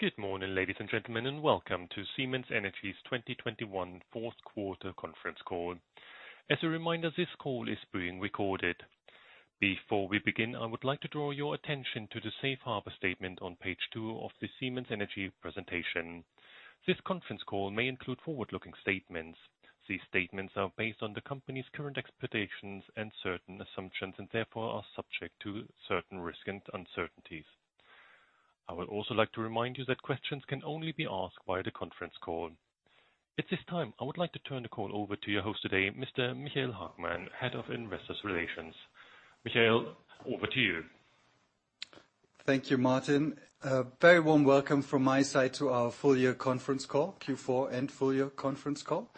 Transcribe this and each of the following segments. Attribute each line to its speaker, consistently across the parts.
Speaker 1: Good morning, ladies and gentlemen, and welcome to Siemens Energy's 2021 fourth quarter conference call. As a reminder, this call is being recorded. Before we begin, I would like to draw your attention to the safe harbor statement on page two of the Siemens Energy presentation. This conference call may include forward-looking statements. These statements are based on the company's current expectations and certain assumptions, and therefore are subject to certain risks and uncertainties. I would also like to remind you that questions can only be asked via the conference call. At this time, I would like to turn the call over to your host today, Mr. Michael Hagmann, Head of Investor Relations. Michael, over to you.
Speaker 2: Thank you, Martin. A very warm welcome from my side to our full year conference call, Q4 and full year conference call.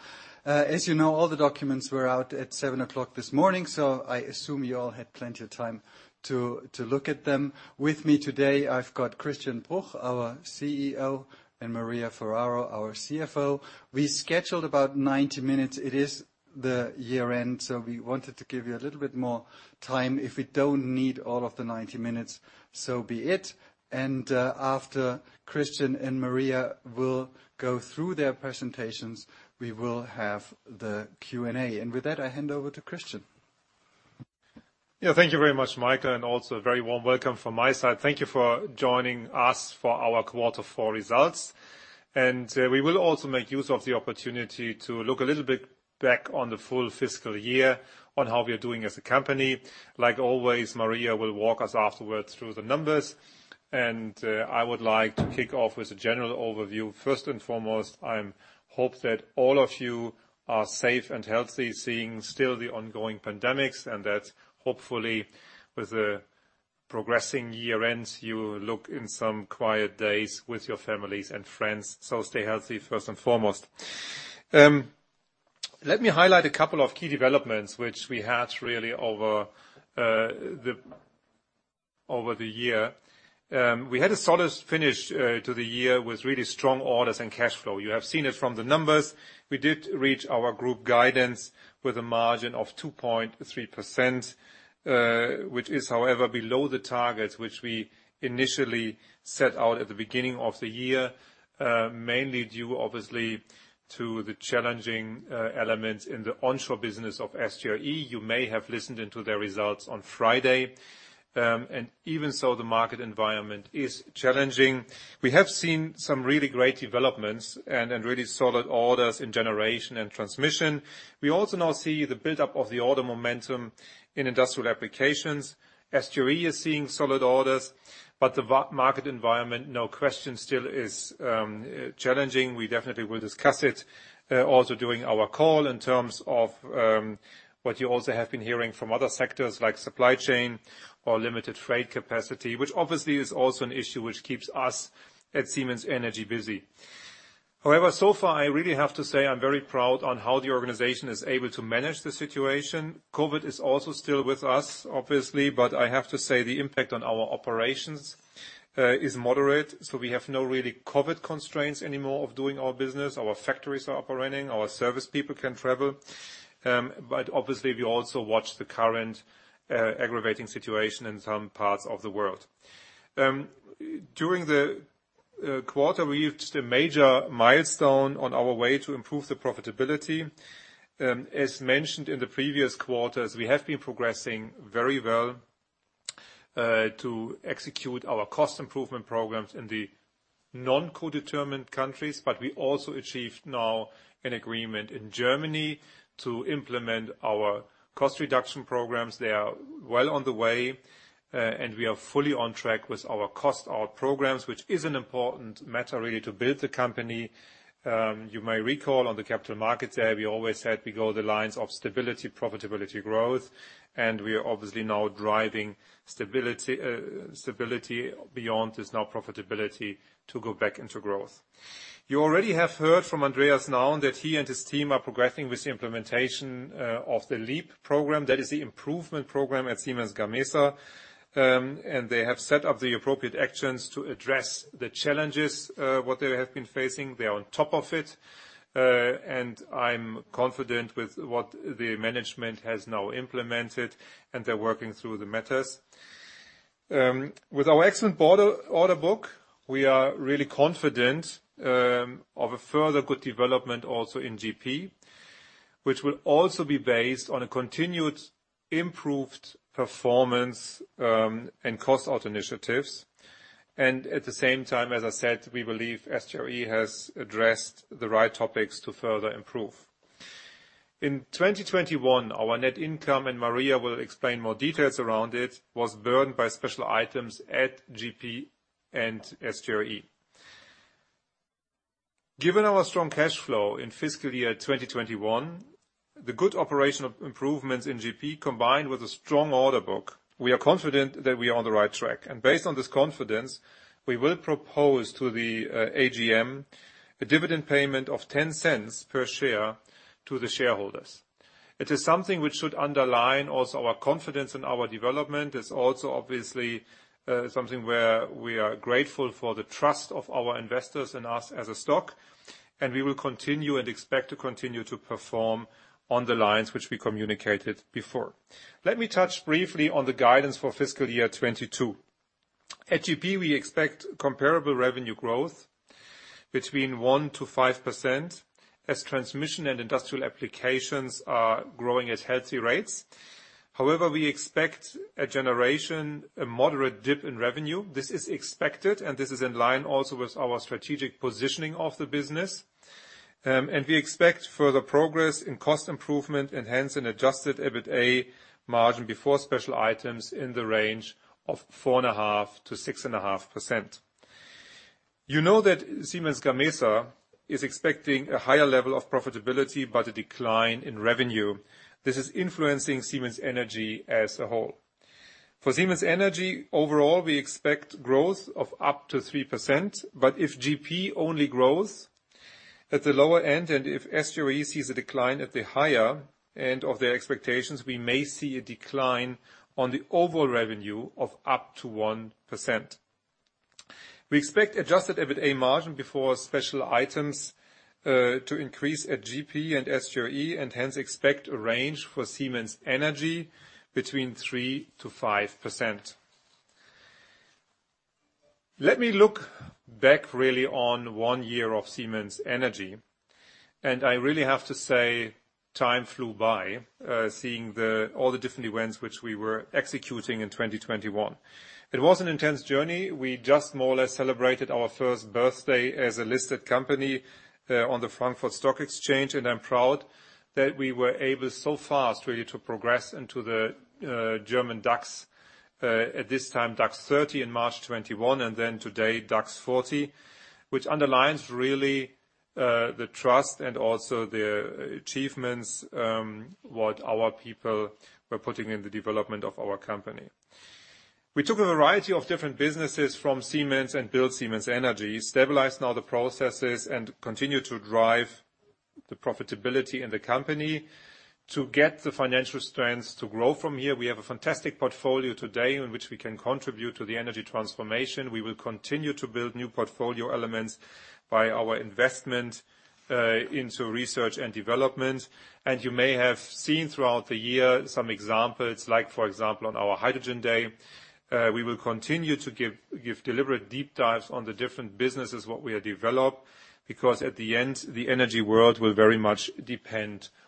Speaker 2: As you know, all the documents were out at 7:00 A.M. this morning, so I assume you all had plenty of time to look at them. With me today, I've got Christian Bruch, our CEO, and Maria Ferraro, our CFO. We scheduled about 90 minutes. It is the year-end, so we wanted to give you a little bit more time. If we don't need all of the 90 minutes, so be it. After Christian and Maria will go through their presentations, we will have the Q&A. With that, I hand over to Christian.
Speaker 3: Yeah. Thank you very much, Michael, and also a very warm welcome from my side. Thank you for joining us for our quarter four results. We will also make use of the opportunity to look a little bit back on the full fiscal year on how we are doing as a company. Like always, Maria will walk us afterwards through the numbers, and I would like to kick off with a general overview. First and foremost, I hope that all of you are safe and healthy, seeing still the ongoing pandemic, and that hopefully with the progressing year-end, you look forward to some quiet days with your families and friends. Stay healthy, first and foremost. Let me highlight a couple of key developments which we had really over the year. We had a solid finish to the year with really strong orders and cash flow. You have seen it from the numbers. We did reach our group guidance with a margin of 2.3%, which is, however, below the targets which we initially set out at the beginning of the year, mainly due, obviously, to the challenging elements in the onshore business of SGRE. You may have tuned into their results on Friday. Even so, the market environment is challenging. We have seen some really great developments and really solid orders in generation and transmission. We also now see the buildup of the order momentum in industrial applications. SGRE is seeing solid orders, but the wind market environment, no question, still is challenging. We definitely will discuss it also during our call in terms of what you also have been hearing from other sectors like supply chain or limited freight capacity, which obviously is also an issue which keeps us at Siemens Energy busy. However, so far, I really have to say I'm very proud on how the organization is able to manage the situation. COVID is also still with us, obviously, but I have to say the impact on our operations is moderate, so we have no really COVID constraints anymore of doing our business. Our factories are operating, our service people can travel. But obviously, we also watch the current aggravating situation in some parts of the world. During the quarter, we reached a major milestone on our way to improve the profitability. As mentioned in the previous quarters, we have been progressing very well to execute our cost improvement programs in the non-codetermined countries, but we also achieved now an agreement in Germany to implement our cost reduction programs. They are well on the way, and we are fully on track with our cost out programs, which is an important matter really to build the company. You may recall on the Capital Markets Day, we always said we go the lines of stability, profitability, growth, and we are obviously now driving stability beyond this now profitability to go back into growth. You already have heard from Andreas Nauen that he and his team are progressing with the implementation of the LEAP program. That is the improvement program at Siemens Gamesa. They have set up the appropriate actions to address the challenges what they have been facing. They are on top of it, and I'm confident with what the management has now implemented, and they're working through the matters. With our excellent order book, we are really confident of a further good development also in GP, which will also be based on a continued improved performance, and cost out initiatives. At the same time, as I said, we believe SGRE has addressed the right topics to further improve. In 2021, our net income, and Maria will explain more details around it, was burdened by special items at GP and SGRE. Given our strong cash flow in fiscal year 2021, the good operation of improvements in GP combined with a strong order book, we are confident that we are on the right track. Based on this confidence, we will propose to the AGM a dividend payment of 0.10 per share to the shareholders. It is something which should underline also our confidence in our development. It's also obviously something where we are grateful for the trust of our investors in us as a stock. We will continue and expect to continue to perform on the lines which we communicated before. Let me touch briefly on the guidance for fiscal year 2022. At GP, we expect comparable revenue growth between 1%-5% as transmission and industrial applications are growing at healthy rates. However, we expect in generation a moderate dip in revenue. This is expected and this is in line also with our strategic positioning of the business. We expect further progress in cost improvement and hence an adjusted EBITDA margin before special items in the range of 4.5%-6.5%. You know that Siemens Gamesa is expecting a higher level of profitability, but a decline in revenue. This is influencing Siemens Energy as a whole. For Siemens Energy, overall, we expect growth of up to 3%, but if GP only grows at the lower end, and if SGRE sees a decline at the higher end of their expectations, we may see a decline on the overall revenue of up to 1%. We expect adjusted EBITDA margin before special items to increase at GP and SGRE, and hence expect a range for Siemens Energy between 3%-5%. Let me look back really on one year of Siemens Energy. I really have to say, time flew by, seeing all the different events which we were executing in 2021. It was an intense journey. We just more or less celebrated our first birthday as a listed company on the Frankfurt Stock Exchange, and I'm proud that we were able so fast really to progress into the German DAX, at this time, DAX 30 in March 2021, and then today DAX 40, which underlines really the trust and also the achievements, what our people were putting in the development of our company. We took a variety of different businesses from Siemens and built Siemens Energy, stabilized now the processes, and continue to drive the profitability in the company to get the financial strengths to grow from here. We have a fantastic portfolio today in which we can contribute to the energy transformation. We will continue to build new portfolio elements by our investment into research and development. You may have seen throughout the year some examples like, for example, on our Hydrogen Day, we will continue to give deliberate deep dives on the different businesses, what we have developed, because at the end, the energy world will very much depend also on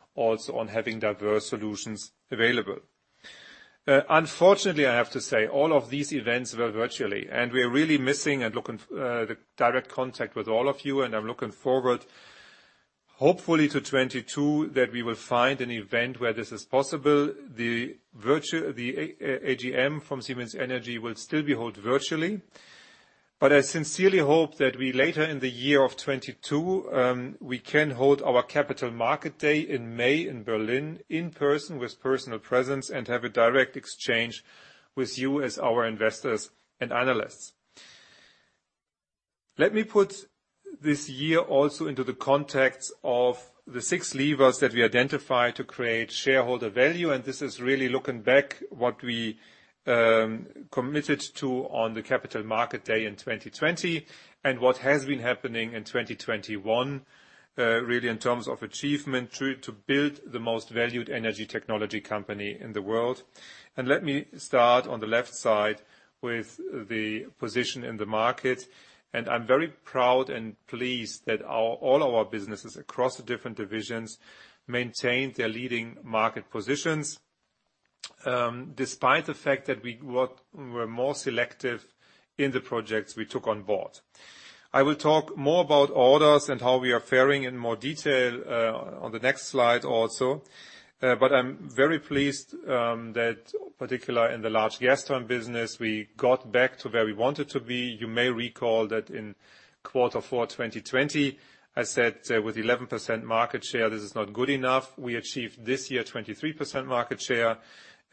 Speaker 3: having diverse solutions available. Unfortunately, I have to say all of these events were virtual, and we are really missing and looking forward to the direct contact with all of you. I'm looking forward, hopefully to 2022, that we will find an event where this is possible. The AGM from Siemens Energy will still be held virtually. I sincerely hope that we later in the year of 2022 we can hold our Capital Markets Day in May in Berlin, in person with personal presence and have a direct exchange with you as our investors and analysts. Let me put this year also into the context of the six levers that we identified to create shareholder value. This is really looking back what we committed to on the Capital Markets Day in 2020 and what has been happening in 2021 really in terms of achievement to build the most valued energy technology company in the world. Let me start on the left side with the position in the market. I'm very proud and pleased that all our businesses across the different divisions maintain their leading market positions, despite the fact that we were more selective in the projects we took on board. I will talk more about orders and how we are faring in more detail on the next slide also. I'm very pleased particularly in the large gas turbine business, we got back to where we wanted to be. You may recall that in quarter four 2020, I said with 11% market share, this is not good enough. We achieved this year 23% market share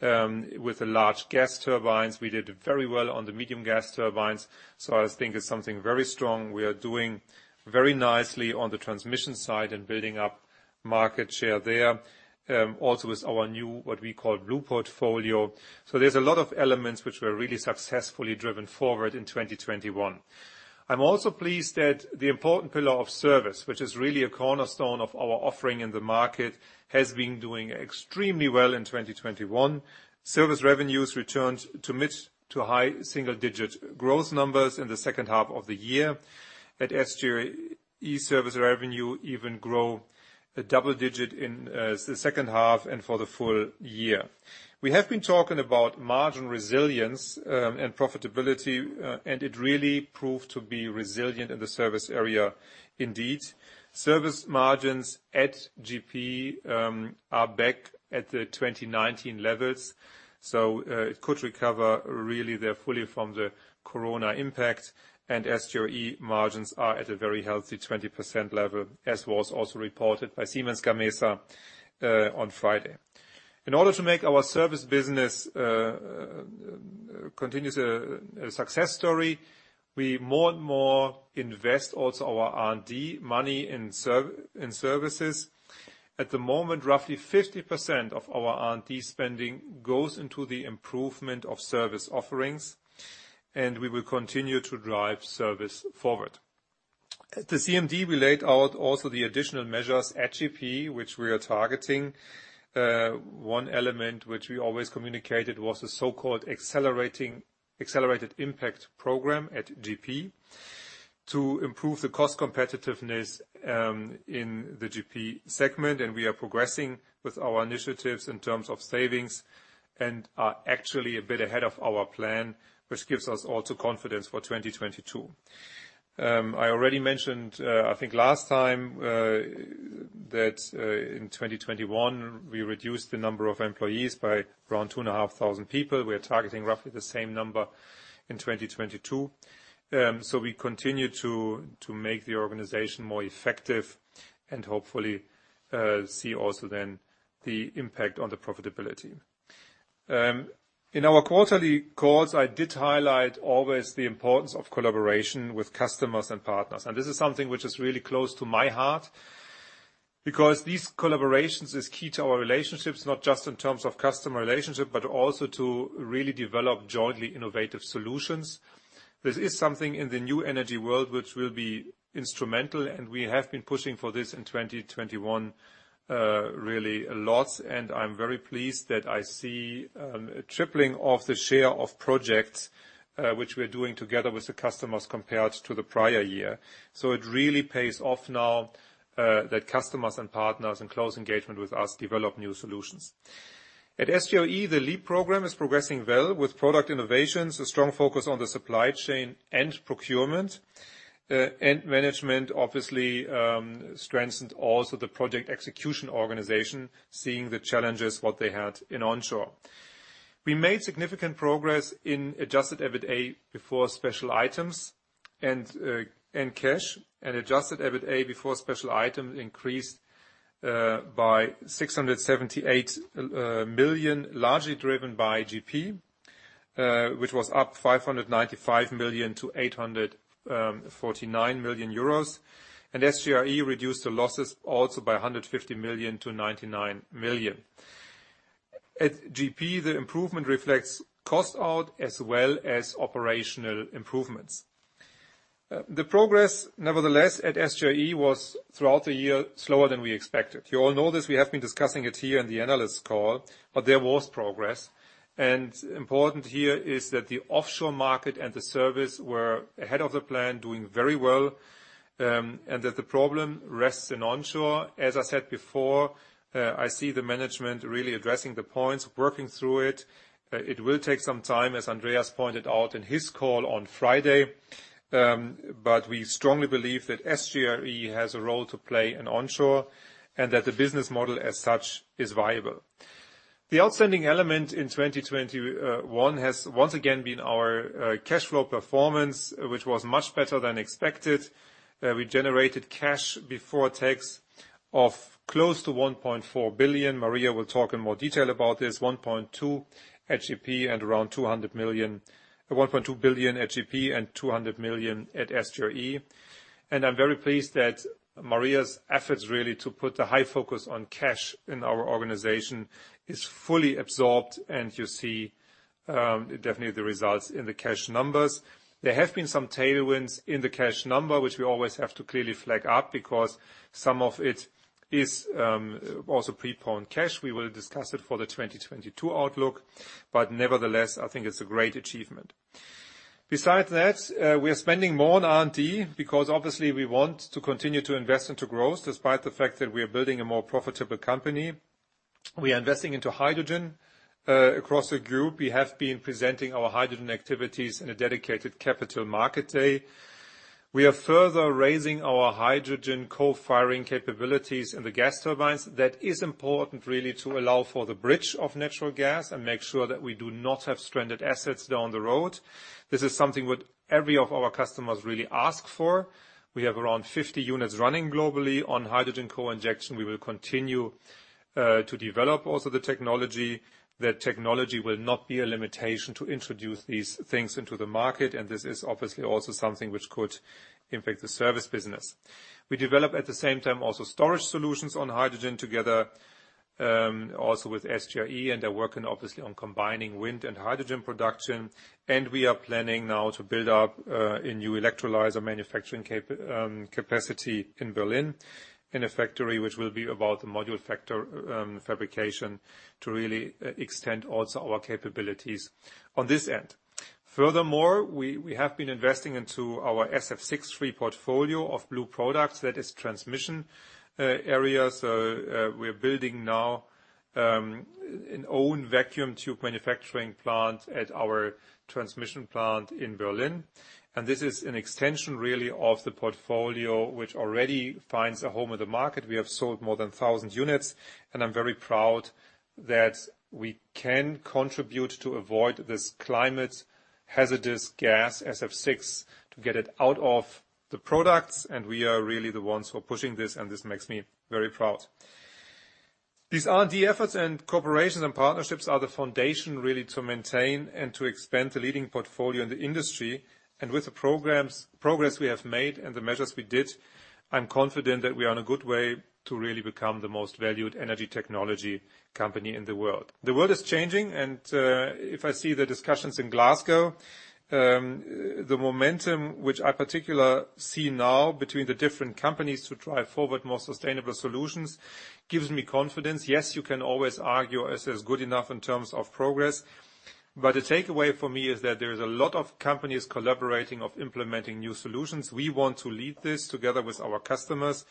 Speaker 3: with the large gas turbines. We did very well on the medium gas turbines. I think it's something very strong. We are doing very nicely on the transmission side and building up market share there, also with our new, what we call Blue Portfolio. There's a lot of elements which were really successfully driven forward in 2021. I'm also pleased that the important pillar of service, which is really a cornerstone of our offering in the market, has been doing extremely well in 2021. Service revenues returned to mid- to high-single-digit growth numbers in the second half of the year. At SGRE, service revenue even grew double-digit in the second half and for the full year. We have been talking about margin resilience and profitability, and it really proved to be resilient in the service area indeed. Service margins at GP are back at the 2019 levels. It could recover really there fully from the corona impact. SGRE margins are at a very healthy 20% level, as was also reported by Siemens Gamesa on Friday. In order to make our service business a continuous success story, we more and more invest also our R&D money in services. At the moment, roughly 50% of our R&D spending goes into the improvement of service offerings, and we will continue to drive service forward. At the CMD, we laid out also the additional measures at GP, which we are targeting. One element which we always communicated was the so-called accelerated impact program at GP to improve the cost competitiveness in the GP segment. We are progressing with our initiatives in terms of savings and are actually a bit ahead of our plan, which gives us also confidence for 2022. I already mentioned, I think last time, that in 2021 we reduced the number of employees by around 2,500 people. We are targeting roughly the same number in 2022. We continue to make the organization more effective and hopefully see also then the impact on the profitability. In our quarterly calls, I did highlight always the importance of collaboration with customers and partners. This is something which is really close to my heart because these collaborations is key to our relationships, not just in terms of customer relationship, but also to really develop jointly innovative solutions. This is something in the new energy world which will be instrumental, and we have been pushing for this in 2021, really a lot. I'm very pleased that I see a tripling of the share of projects which we're doing together with the customers compared to the prior year. It really pays off now that customers and partners in close engagement with us develop new solutions. At SGRE, the LEAP program is progressing well with product innovations, a strong focus on the supply chain and procurement. Management, obviously, strengthened also the project execution organization, seeing the challenges what they had in onshore. We made significant progress in adjusted EBIDTA before special items, and adjusted EBIDTA before special items increased by 678 million, largely driven by GP, which was up 595 million to 849 million euros. SGRE reduced the losses also by 150 million to 99 million. At GP, the improvement reflects cost out as well as operational improvements. The progress, nevertheless, at SGRE was throughout the year slower than we expected. You all know this, we have been discussing it here in the analyst call, but there was progress. Important here is that the offshore market and the service were ahead of the plan, doing very well, and that the problem rests in onshore. As I said before, I see the management really addressing the points, working through it. It will take some time, as Andreas pointed out in his call on Friday, but we strongly believe that SGRE has a role to play in onshore and that the business model as such is viable. The outstanding element in 2021 has once again been our cash flow performance, which was much better than expected. We generated cash before tax of close to 1.4 billion. Maria will talk in more detail about this. 1.2 billion at GP and 200 million at SGRE. I'm very pleased that Maria's efforts really to put the high focus on cash in our organization is fully absorbed and you see definitely the results in the cash numbers. There have been some tailwinds in the cash number, which we always have to clearly flag up because some of it is also prepay on cash. We will discuss it for the 2022 outlook, but nevertheless, I think it's a great achievement. Besides that, we are spending more on R&D because obviously we want to continue to invest into growth despite the fact that we are building a more profitable company. We are investing into hydrogen across the group. We have been presenting our hydrogen activities in a dedicated Capital Markets Day. We are further raising our hydrogen co-firing capabilities in the gas turbines. That is important really to allow for the bridge of natural gas and make sure that we do not have stranded assets down the road. This is something what every of our customers really ask for. We have around 50 units running globally on hydrogen co-injection. We will continue to develop also the technology. That technology will not be a limitation to introduce these things into the market, and this is obviously also something which could impact the service business. We develop at the same time also storage solutions on hydrogen together, also with SGRE, and they're working obviously on combining wind and hydrogen production. We are planning now to build up a new electrolyzer manufacturing capacity in Berlin in a factory which will be about the module factor fabrication to really extend also our capabilities on this end. Furthermore, we have been investing into our SF6 free portfolio of blue products, that is transmission areas. We are building now an own vacuum tube manufacturing plant at our transmission plant in Berlin. This is an extension really of the portfolio which already finds a home in the market. We have sold more than 1,000 units, and I'm very proud that we can contribute to avoid this climate hazardous gas, SF₆, to get it out of the products. We are really the ones who are pushing this, and this makes me very proud. These R&D efforts and cooperation and partnerships are the foundation really to maintain and to expand the leading portfolio in the industry. With the progress we have made and the measures we did. I'm confident that we are in a good way to really become the most valued energy technology company in the world. The world is changing, and if I see the discussions in Glasgow, the momentum which I particularly see now between the different companies to drive forward more sustainable solutions gives me confidence. Yes, you can always argue it's good enough in terms of progress, but the takeaway for me is that there is a lot of companies collaborating on implementing new solutions. We want to lead this together with our customers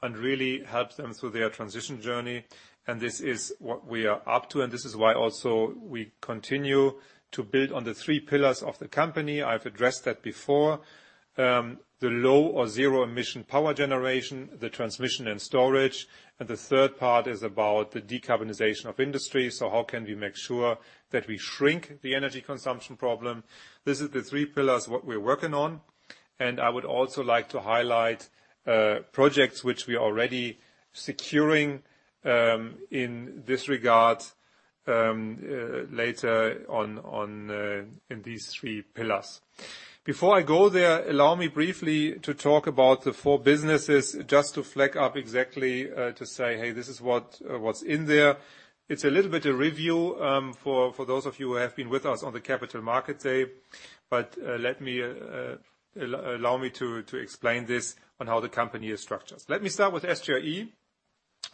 Speaker 3: and really help them through their transition journey, and this is what we are up to, and this is why also we continue to build on the three pillars of the company. I've addressed that before. The low or zero emission power generation, the transmission and storage, and the third part is about the decarbonization of industry. How can we make sure that we shrink the energy consumption problem? This is the three pillars, what we're working on, and I would also like to highlight projects which we are already securing in this regard later on in these three pillars. Before I go there, allow me briefly to talk about the four businesses, just to flag up exactly to say, "Hey, this is what's in there." It's a little bit a review for those of you who have been with us on the Capital Markets Day. Let me allow me to explain this on how the company is structured. Let me start with SGRE.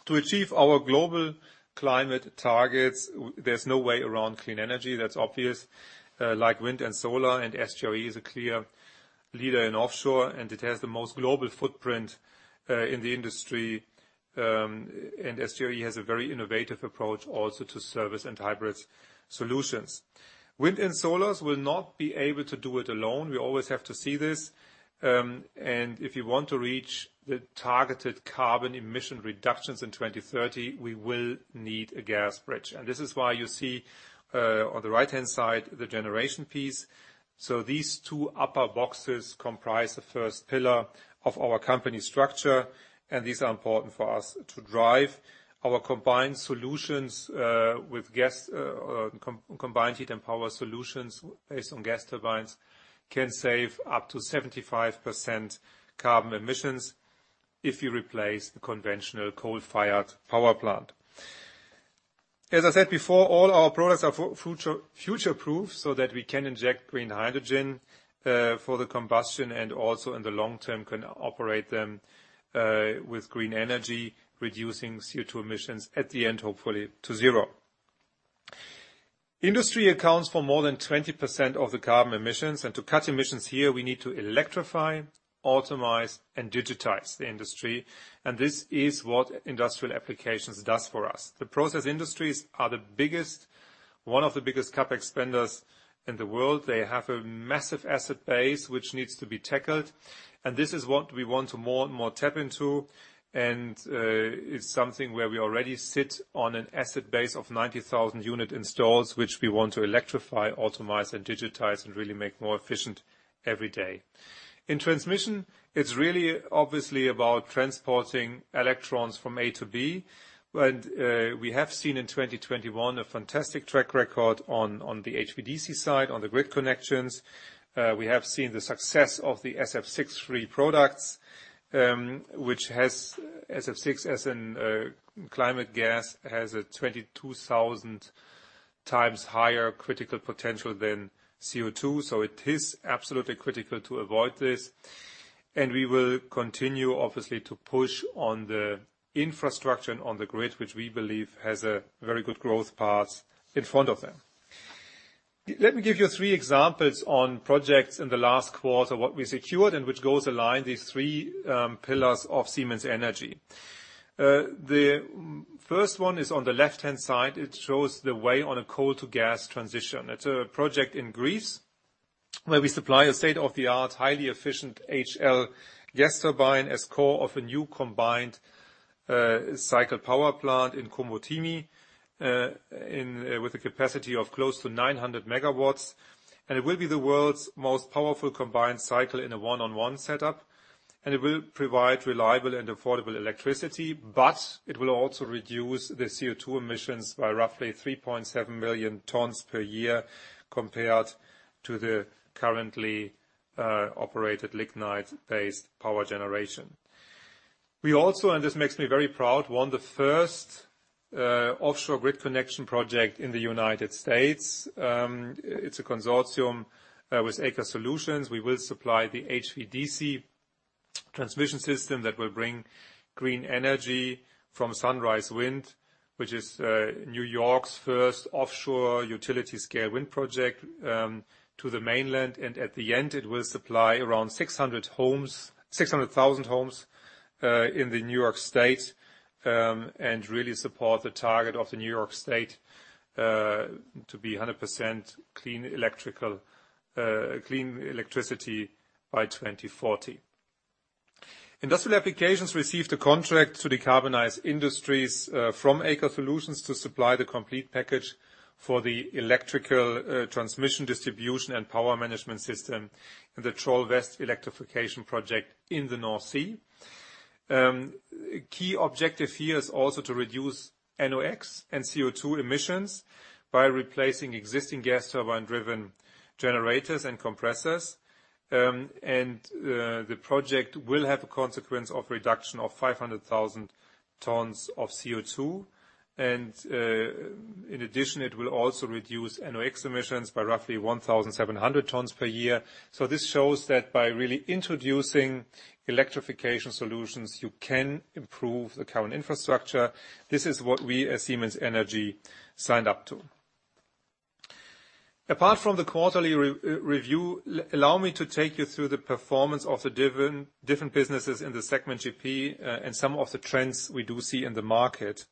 Speaker 3: To achieve our global climate targets, there's no way around clean energy, that's obvious, like wind and solar, and SGRE is a clear leader in offshore, and it has the most global footprint in the industry. SGRE has a very innovative approach also to service and hybrid solutions. Wind and solar will not be able to do it alone. We always have to see this. If you want to reach the targeted carbon emission reductions in 2030, we will need a gas bridge. This is why you see on the right-hand side, the generation piece. These two upper boxes comprise the first pillar of our company structure, and these are important for us to drive our combined solutions with gas, combined heat and power solutions based on gas turbines can save up to 75% carbon emissions if you replace the conventional coal-fired power plant. As I said before, all our products are future-proof so that we can inject green hydrogen for the combustion, and also in the long term can operate them with green energy, reducing CO₂ emissions at the end, hopefully to zero. Industry accounts for more than 20% of the carbon emissions, and to cut emissions here, we need to electrify, automate, and digitize the industry, and this is what industrial applications does for us. The process industries are the biggest, one of the biggest CapEx spenders in the world. They have a massive asset base which needs to be tackled, and this is what we want to more and more tap into. It's something where we already sit on an asset base of 90,000 unit installs, which we want to electrify, automate, and digitize, and really make more efficient every day. In transmission, it's really obviously about transporting electrons from A to B. We have seen in 2021 a fantastic track record on the HVDC side, on the grid connections. We have seen the success of the SF₆-free products, which has SF₆, as in, climate gas, has a 22,000 times higher critical potential than CO₂. It is absolutely critical to avoid this. We will continue, obviously, to push on the infrastructure and on the grid, which we believe has a very good growth path in front of them. Let me give you three examples on projects in the last quarter, what we secured and which goals align these three pillars of Siemens Energy. The first one is on the left-hand side. It shows the way on a coal to gas transition. It's a project in Greece where we supply a state-of-the-art, highly efficient HL gas turbine as core of a new combined cycle power plant in Komotini with a capacity of close to 900 MW. It will be the world's most powerful combined cycle in a one-on-one setup. It will provide reliable and affordable electricity, but it will also reduce the CO₂ emissions by roughly 3.7 million tons per year compared to the currently operated lignite-based power generation. We also, and this makes me very proud, won the first offshore grid connection project in the United States. It's a consortium with Aker Solutions. We will supply the HVDC transmission system that will bring green energy from Sunrise Wind, which is New York's first offshore utility-scale wind project, to the mainland. At the end, it will supply around 600,000 homes in the New York State and really support the target of the New York State to be 100% clean electricity by 2040. Industrial applications received a contract to decarbonize industries from Aker Solutions to supply the complete package for the electrical transmission, distribution, and power management system in the Troll West electrification project in the North Sea. Key objective here is also to reduce NOx and CO₂ emissions by replacing existing gas turbine-driven generators and compressors. The project will have a consequence of reduction of 500,000 tons of CO₂. In addition, it will also reduce NOx emissions by roughly 1,700 tons per year. This shows that by really introducing electrification solutions, you can improve the current infrastructure. This is what we at Siemens Energy signed up to. Apart from the quarterly re-review, allow me to take you through the performance of the different businesses in the segment GP, and some of the trends we do see in the market.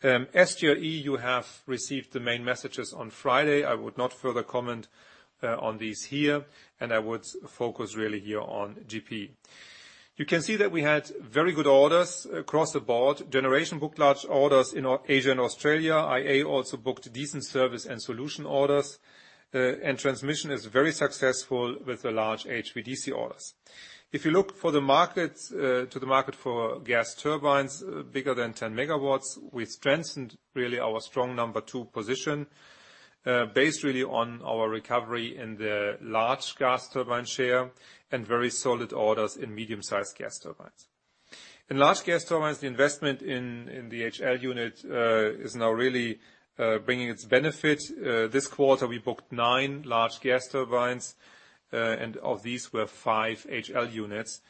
Speaker 3: SGRE, you have received the main messages on Friday. I would not further comment on these here, and I would focus really here on GP. You can see that we had very good orders across the board. Generation booked large orders in our Asia and Australia. IA also booked decent service and solution orders. Transmission is very successful with the large HVDC orders. If you look to the market for gas turbines bigger than 10 MW, we strengthened really our strong number two position based really on our recovery in the large gas turbine share and very solid orders in medium-sized gas turbines. In large gas turbines, the investment in the HL unit is now really bringing its benefit. This quarter, we booked nine large gas turbines and of these were 5 HL units.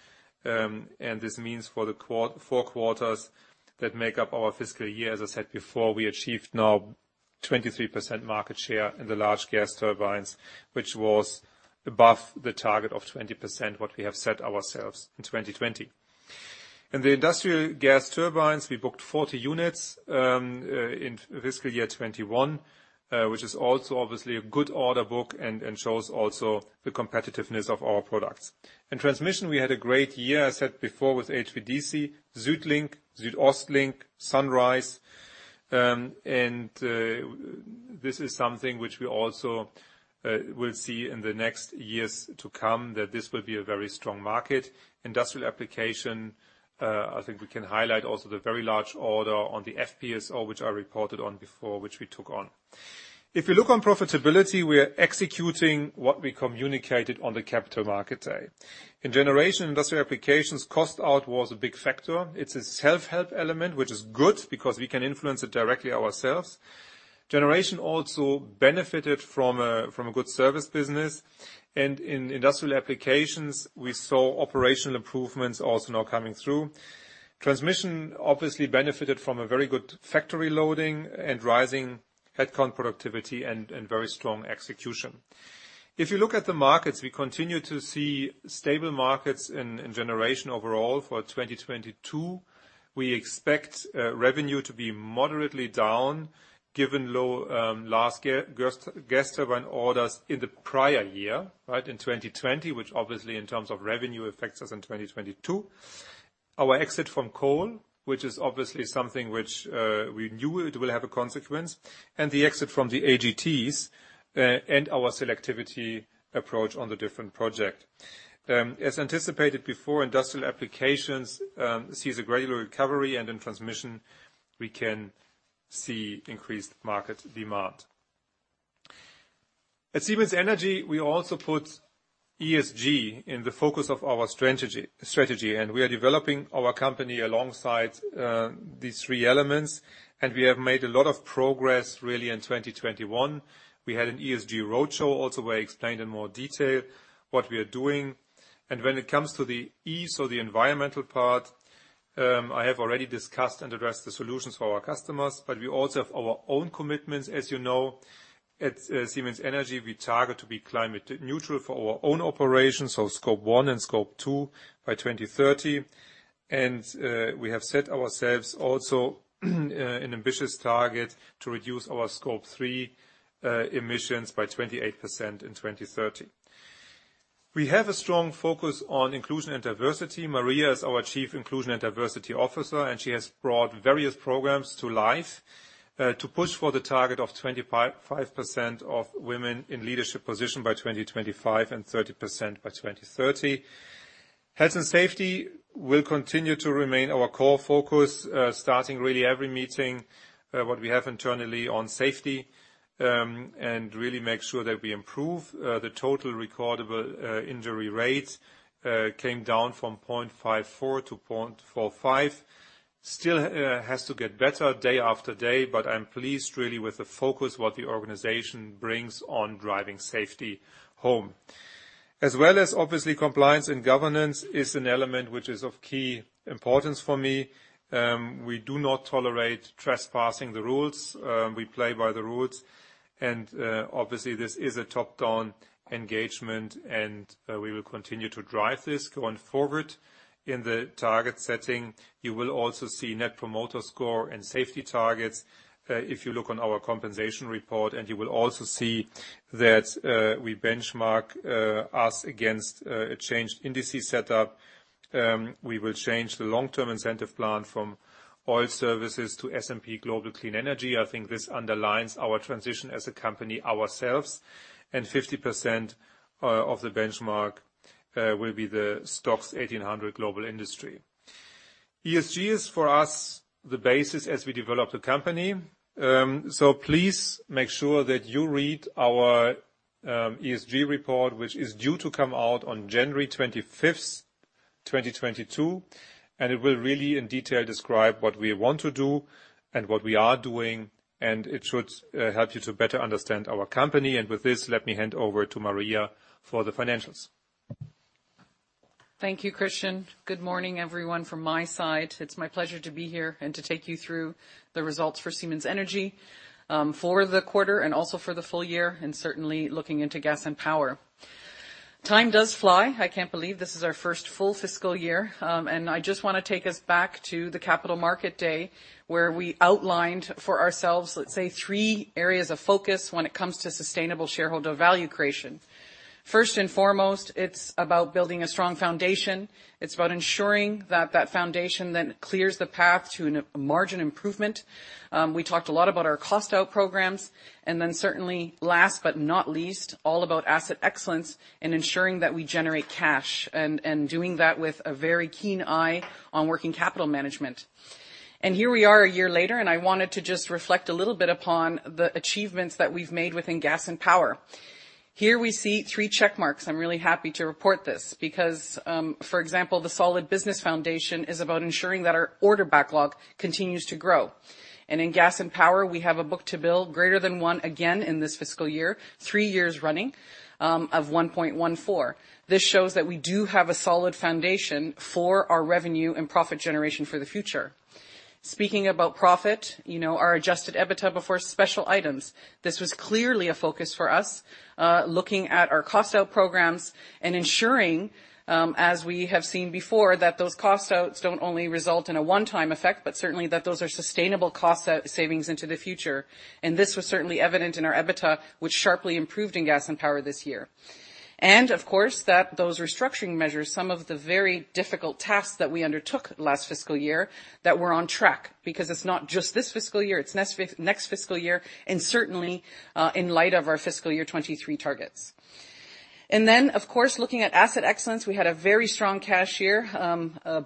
Speaker 3: This means for the four quarters that make up our fiscal year, as I said before, we achieved now 23% market share in the large gas turbines, which was above the target of 20%, what we have set ourselves in 2020. In the industrial gas turbines, we booked 40 units in fiscal year 2021, which is also obviously a good order book and shows also the competitiveness of our products. In transmission, we had a great year, I said before, with HVDC, Südlink, SüdOstLink, Sunrise. This is something which we also will see in the next years to come, that this will be a very strong market. Industrial application, I think wecan highlight also the very large order on the FPSO, which I reported on before, which we took on. If you look on profitability, we are executing what we communicated on the Capital Markets Day. In generation, industrial applications, cost out was a big factor. It's a self-help element, which is good because we can influence it directly ourselves. Generation also benefited from a good service business. In industrial applications, we saw operational improvements also now coming through. Transmission obviously benefited from a very good factory loading and rising headcount productivity and very strong execution. If you look at the markets, we continue to see stable markets in generation overall for 2022. We expect revenue to be moderately down given low last year gas turbine orders in the prior year, right in 2020, which obviously in terms of revenue affects us in 2022. Our exit from coal, which is obviously something which we knew it will have a consequence, and the exit from the AGTs and our selectivity approach on the different project. As anticipated before, industrial applications sees a gradual recovery, and in transmission, we can see increased market demand. At Siemens Energy, we also put ESG in the focus of our strategy, and we are developing our company alongside these three elements. We have made a lot of progress really in 2021. We had an ESG roadshow also where I explained in more detail what we are doing. When it comes to the E, so the environmental part, I have already discussed and addressed the solutions for our customers, but we also have our own commitments. As you know, at Siemens Energy, we target to be climate neutral for our own operations, so Scope 1 and Scope 2 by 2030. We have set ourselves also an ambitious target to reduce our Scope 3 emissions by 28% in 2030. We have a strong focus on inclusion and diversity. Maria is our Chief Inclusion and Diversity Officer, and she has brought various programs to life, to push for the target of 25% of women in leadership position by 2025 and 30% by 2030. Health and safety will continue to remain our core focus, starting really every meeting what we have internally on safety, and really make sure that we improve. The total recordable injury rate came down from 0.54 to 0.45. Still has to get better day after day, but I'm pleased really with the focus what the organization brings on driving safety home. As well as obviously compliance and governance is an element which is of key importance for me. We do not tolerate trespassing the rules. We play by the rules. Obviously, this is a top-down engagement, and we will continue to drive this going forward. In the target setting, you will also see Net Promoter Score and safety targets if you look on our compensation report. You will also see that we benchmark us against a chained indices set up. We will change the long-term incentive plan from oil services to S&P Global Clean Energy. I think this underlines our transition as a company ourselves. 50% of the benchmark will be the STOXX 1800 global industry. ESG is for us the basis as we develop the company. Please make sure that you read our ESG report, which is due to come out on January 25th, 2022, and it will really in detail describe what we want to do and what we are doing, and it should help you to better understand our company. With this, let me hand over to Maria for the financials.
Speaker 4: Thank you, Christian. Good morning, everyone, from my side. It's my pleasure to be here and to take you through the results for Siemens Energy for the quarter and also for the full year, and certainly looking into gas and power. Time does fly. I can't believe this is our first full fiscal year. I just wanna take us back to the Capital Markets Day, where we outlined for ourselves, let's say, three areas of focus when it comes to sustainable shareholder value creation. First and foremost, it's about building a strong foundation. It's about ensuring that that foundation then clears the path to a margin improvement. We talked a lot about our cost out programs. Certainly last but not least, all about asset excellence and ensuring that we generate cash and doing that with a very keen eye on working capital management. Here we are a year later, and I wanted to just reflect a little bit upon the achievements that we've made within gas and power. Here we see three check marks. I'm really happy to report this because, for example, the solid business foundation is about ensuring that our order backlog continues to grow. In gas and power, we have a book-to-bill greater than one again in this fiscal year, three years running, of 1.14. This shows that we do have a solid foundation for our revenue and profit generation for the future. Speaking about profit, you know, our adjusted EBITDA before special items, this was clearly a focus for us, looking at our cost out programs and ensuring, as we have seen before, that those cost outs don't only result in a one-time effect, but certainly that those are sustainable cost out savings into the future. This was certainly evident in our EBITDA, which sharply improved in Gas and Power this year. Of course, that those restructuring measures, some of the very difficult tasks that we undertook last fiscal year, that we're on track because it's not just this fiscal year, it's next fiscal year and certainly, in light of our fiscal year 2023 targets. Then, of course, looking at asset excellence, we had a very strong cash year,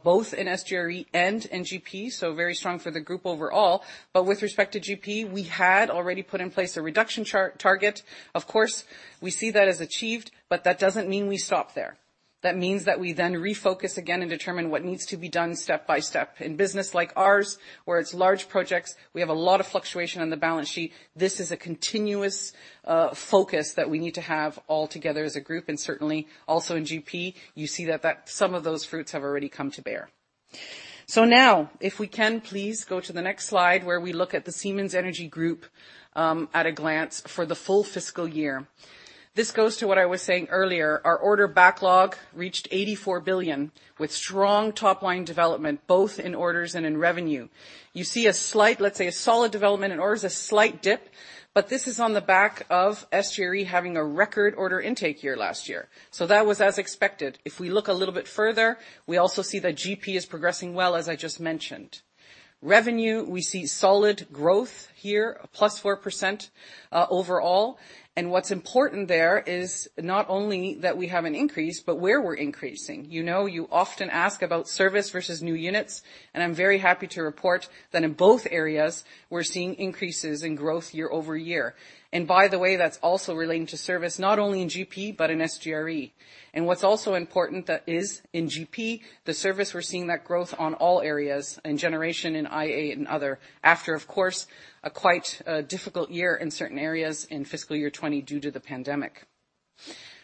Speaker 4: both in SGRE and in GP, so very strong for the group overall. With respect to GP, we had already put in place a reduction target. Of course, we see that as achieved, but that doesn't mean we stop there. That means that we then refocus again and determine what needs to be done step by step. In business like ours, where it's large projects, we have a lot of fluctuation on the balance sheet. This is a continuous focus that we need to have all together as a group and certainly also in GP, you see that some of those fruits have already come to bear. Now if we can please go to the next slide where we look at the Siemens Energy Group at a glance for the full fiscal year. This goes to what I was saying earlier. Our order backlog reached 84 billion with strong top-line development, both in orders and in revenue. You see a slight, let's say, a solid development in orders, a slight dip, but this is on the back of SGRE having a record order intake year last year. That was as expected. If we look a little bit further, we also see that GP is progressing well, as I just mentioned. Revenue, we see solid growth here, a plus 4%, overall. What's important there is not only that we have an increase, but where we're increasing. You know, you often ask about service versus new units, and I'm very happy to report that in both areas we're seeing increases in growth year-over-year. By the way, that's also relating to service not only in GP, but in SGRE. What's also important that is in GP, the service, we're seeing that growth on all areas in generation, in IA, and other after, of course, a quite difficult year in certain areas in fiscal year 2020 due to the pandemic.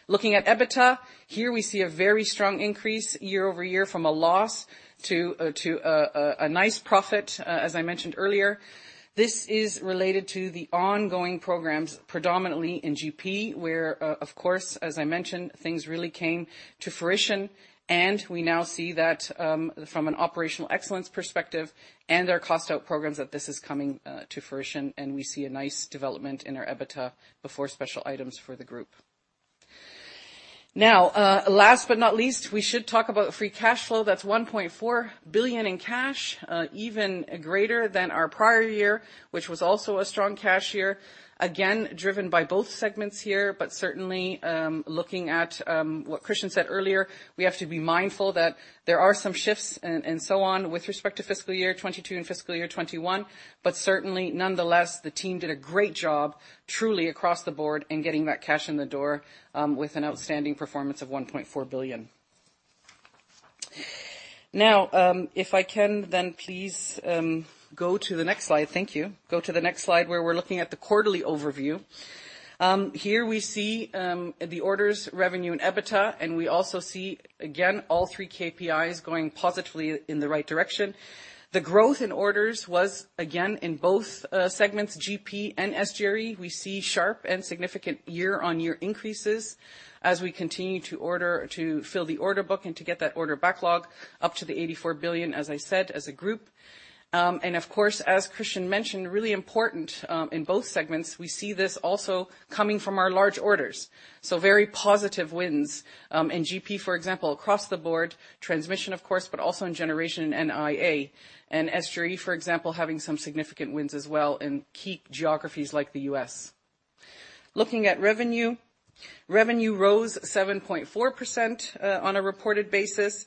Speaker 4: Looking at EBITDA, here we see a very strong increase year-over-year from a loss to a nice profit, as I mentioned earlier. This is related to the ongoing programs, predominantly in GP, where of course, as I mentioned, things really came to fruition, and we now see that, from an operational excellence perspective and our cost out programs that this is coming to fruition and we see a nice development in our EBITDA before special items for the group. Now, last but not least, we should talk about free cash flow. That's 1.4 billion in cash, even greater than our prior year, which was also a strong cash year. Again, driven by both segments here, but certainly, looking at what Christian said earlier, we have to be mindful that there are some shifts and so on with respect to fiscal year 2022 and fiscal year 2021. Certainly, nonetheless, the team did a great job truly across the board in getting that cash in the door, with an outstanding performance of 1.4 billion. Now, if I can please go to the next slide. Thank you. Go to the next slide where we're looking at the quarterly overview. Here we see the orders, revenue, and EBITDA, and we also see again, all three KPIs going positively in the right direction. The growth in orders was again in both segments, GP and SGRE. We see sharp and significant year-on-year increases as we continue to order to fill the order book and to get that order backlog up to the 84 billion, as I said, as a group. Of course, as Christian mentioned, really important in both segments, we see this also coming from our large orders. Very positive wins in GP, for example, across the board, transmission of course, but also in generation and IA. SGRE, for example, having some significant wins as well in key geographies like the U.S. Looking at revenue. Revenue rose 7.4% on a reported basis,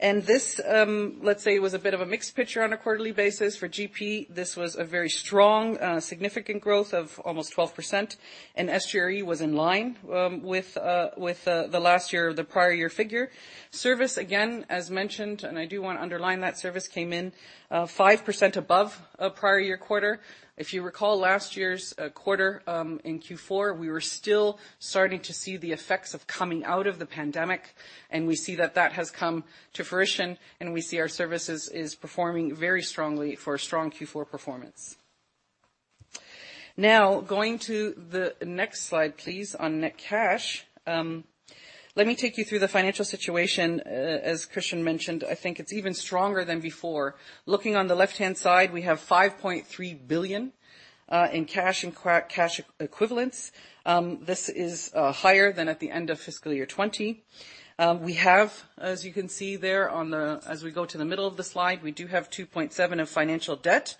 Speaker 4: and this, let's say, was a bit of a mixed picture on a quarterly basis. For GP, this was a very strong significant growth of almost 12%, and SGRE was in line with the prior year figure. Service, again, as mentioned, and I do want to underline that service came in 5% above prior year quarter. If you recall last year's quarter, in Q4, we were still starting to see the effects of coming out of the pandemic, and we see that has come to fruition, and we see our services is performing very strongly for a strong Q4 performance. Now, going to the next slide, please, on net cash. Let me take you through the financial situation. As Christian mentioned, I think it's even stronger than before. Looking on the left-hand side, we have 5.3 billion in cash and cash equivalents. This is higher than at the end of fiscal year 2020. We have, as you can see there as we go to the middle of the slide, we do have 2.7 billion in financial debt,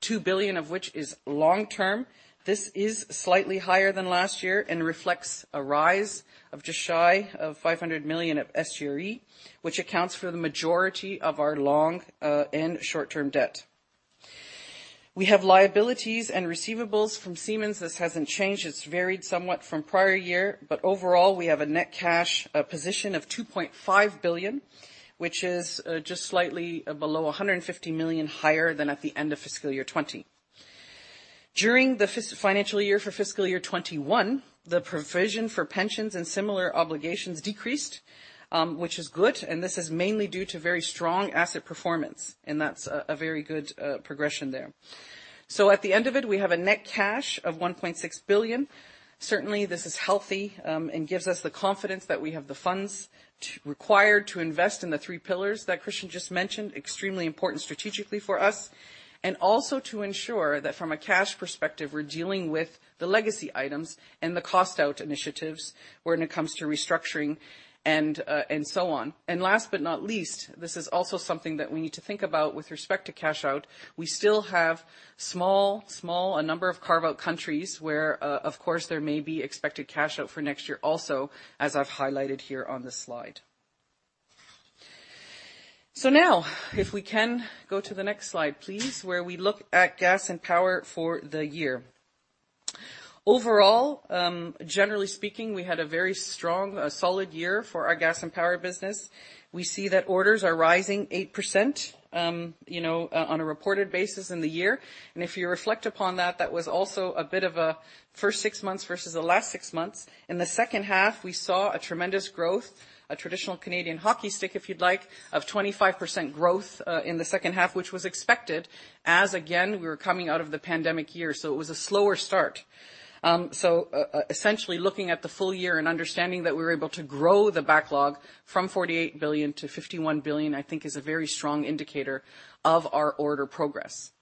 Speaker 4: 2 billion of which is long-term. This is slightly higher than last year and reflects a rise of just shy of 500 million of SGRE, which accounts for the majority of our long and short-term debt. We have liabilities and receivables from Siemens. This hasn't changed. It's varied somewhat from prior year, but overall, we have a net cash position of 2.5 billion, which is just slightly below 150 million higher than at the end of fiscal year 2020. During the financial year for fiscal year 2021, the provision for pensions and similar obligations decreased, which is good, and this is mainly due to very strong asset performance, and that's a very good progression there. So at the end of it, we have net cash of 1.6 billion. Certainly, this is healthy, and gives us the confidence that we have the funds required to invest in the three pillars that Christian just mentioned, extremely important strategically for us, and also to ensure that from a cash perspective, we're dealing with the legacy items and the cost-out initiatives when it comes to restructuring and so on. Last but not least, this is also something that we need to think about with respect to cash out. We still have small. A number of carve-out countries where, of course, there may be expected cash out for next year also, as I've highlighted here on this slide. Now, if we can go to the next slide, please, where we look at gas and power for the year. Overall, generally speaking, we had a very strong, solid year for our gas and power business. We see that orders are rising 8%, you know, on a reported basis in the year. If you reflect upon that was also a bit of a first six months versus the last six months. In the second half, we saw a tremendous growth, a traditional Canadian hockey stick, if you'd like, of 25% growth, in the second half, which was expected as again, we were coming out of the pandemic year. It was a slower start. Essentially looking at the full year and understanding that we were able to grow the backlog from 48 billion to 51 billion, I think is a very strong indicator of our order progress.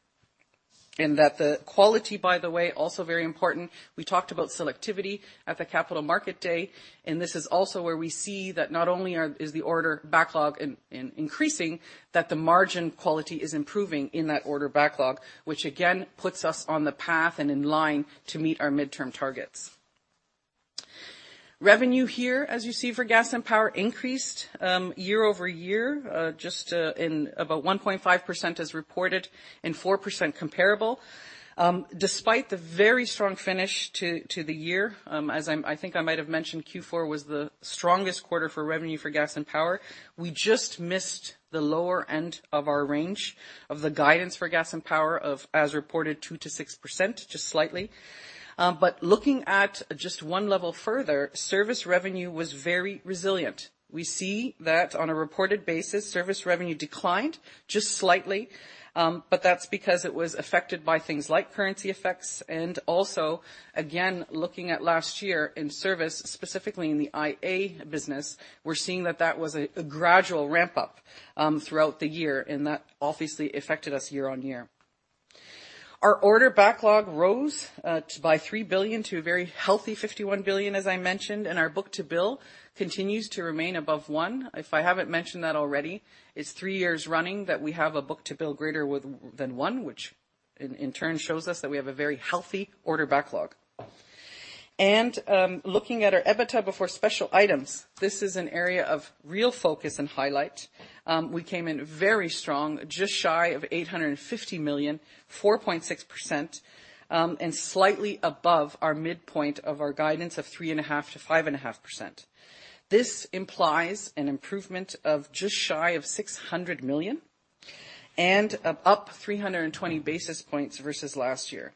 Speaker 4: That the quality, by the way, also very important. We talked about selectivity at the Capital Markets Day, and this is also where we see that not only is the order backlog increasing, that the margin quality is improving in that order backlog, which again puts us on the path and in line to meet our midterm targets. Revenue here, as you see for gas and power, increased year-over-year just in about 1.5% as reported and 4% comparable. Despite the very strong finish to the year, I think I might have mentioned Q4 was the strongest quarter for revenue for gas and power. We just missed the lower end of our range of the guidance for gas and power of as reported 2%-6% just slightly. Looking at just one level further, service revenue was very resilient. We see that on a reported basis, service revenue declined just slightly, that's because it was affected by things like currency effects and also again, looking at last year in service, specifically in the IA business, we're seeing that that was a gradual ramp-up throughout the year, and that obviously affected us year-on-year. Our order backlog rose by 3 billion to a very healthy 51 billion, as I mentioned, and our book-to-bill continues to remain above one. If I haven't mentioned that already, it's three years running that we have a book-to-bill greater than one, which in turn shows us that we have a very healthy order backlog. Looking at our EBITDA before special items, this is an area of real focus and highlight. We came in very strong, just shy of 850 million, 4.6%, and slightly above our midpoint of our guidance of 3.5%-5.5%. This implies an improvement of just shy of 600 million and up 320 basis points versus last year.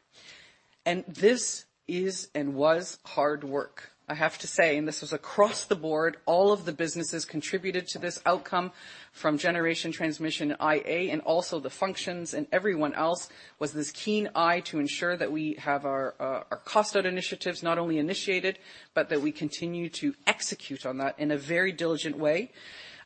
Speaker 4: This is and was hard work, I have to say, and this was across the board. All of the businesses contributed to this outcome from generation transmission IA, and also the functions and everyone else with this keen eye to ensure that we have our cost out initiatives not only initiated, but that we continue to execute on that in a very diligent way,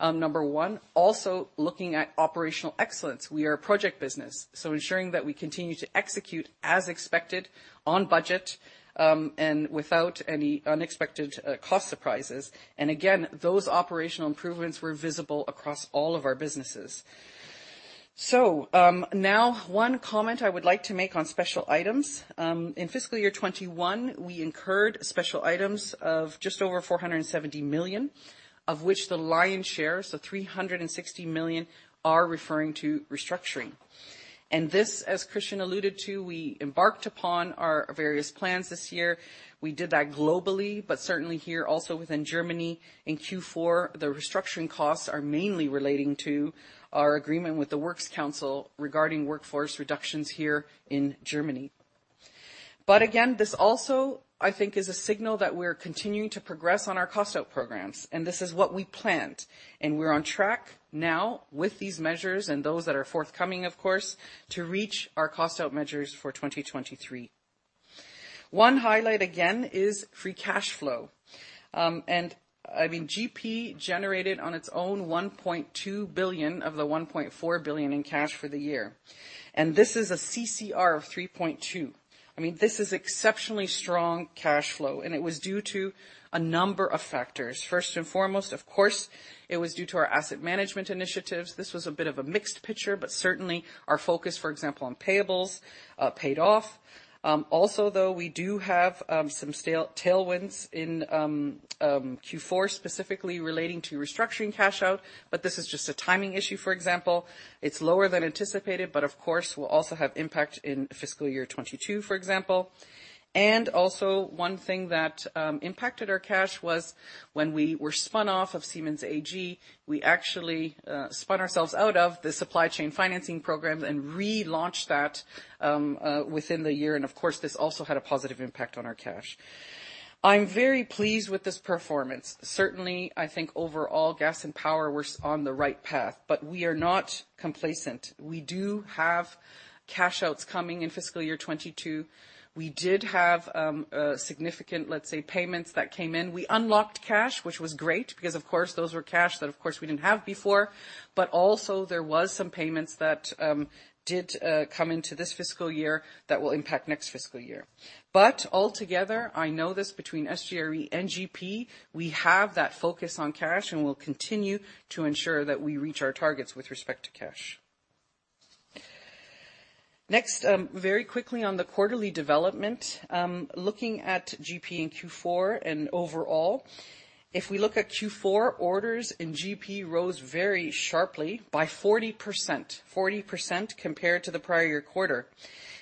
Speaker 4: number one. Also, looking at operational excellence. We are a project business, so ensuring that we continue to execute as expected on budget and without any unexpected cost surprises. Again, those operational improvements were visible across all of our businesses. Now one comment I would like to make on special items. In fiscal year 2021, we incurred special items of just over 470 million, of which the lion's share, so 360 million, are referring to restructuring. This, as Christian alluded to, we embarked upon our various plans this year. We did that globally, but certainly here also within Germany. In Q4, the restructuring costs are mainly relating to our agreement with the Works Council regarding workforce reductions here in Germany. Again, this also, I think, is a signal that we're continuing to progress on our cost-out programs, and this is what we planned. We're on track now with these measures and those that are forthcoming, of course, to reach our cost-out measures for 2023. One highlight, again, is free cash flow. I mean, GP generated on its own 1.2 billion of the 1.4 billion in cash for the year. This is a CCR of 3.2. I mean, this is exceptionally strong cash flow, and it was due to a number of factors. First and foremost, of course, it was due to our asset management initiatives. This was a bit of a mixed picture, but certainly our focus, for example, on payables paid off. Also, though, we do have some tailwinds in Q4, specifically relating to restructuring cash out, but this is just a timing issue, for example. It's lower than anticipated, but of course it will also have impact in fiscal year 2022, for example. Also, one thing that impacted our cash was when we were spun off of Siemens AG, we actually spun ourselves out of the supply chain financing programs and relaunched that within the year. Of course, this also had a positive impact on our cash. I'm very pleased with this performance. Certainly, I think overall, gas and power, we're on the right path, but we are not complacent. We do have cash outflows coming in FY 2022. We did have a significant, let's say, payments that came in. We unlocked cash, which was great because, of course, those were cash that, of course, we didn't have before. Also, there was some payments that did come into this fiscal year that will impact next fiscal year. Altogether, I know this between SGRE and GP, we have that focus on cash, and we'll continue to ensure that we reach our targets with respect to cash. Next, very quickly on the quarterly development. Looking at GP in Q4 and overall, if we look at Q4, orders in GP rose very sharply by 40%. Forty percent compared to the prior year quarter.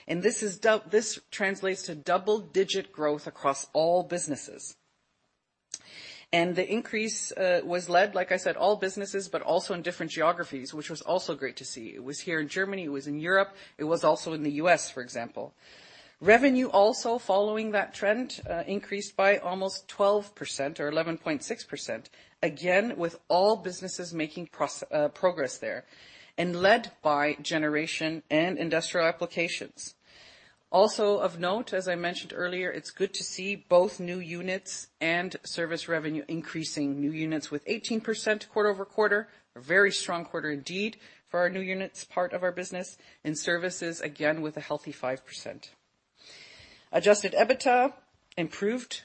Speaker 4: This translates to double-digit growth across all businesses. The increase was led, like I said, all businesses, but also in different geographies, which was also great to see. It was here in Germany, it was in Europe, it was also in the U.S., for example. Revenue also, following that trend, increased by almost 12% or 11.6%, again, with all businesses making progress there and led by generation and industrial applications. Also of note, as I mentioned earlier, it's good to see both new units and service revenue increasing. New units with 18% quarter-over-quarter. A very strong quarter indeed for our new units part of our business. Services, again, with a healthy 5%. Adjusted EBITDA improved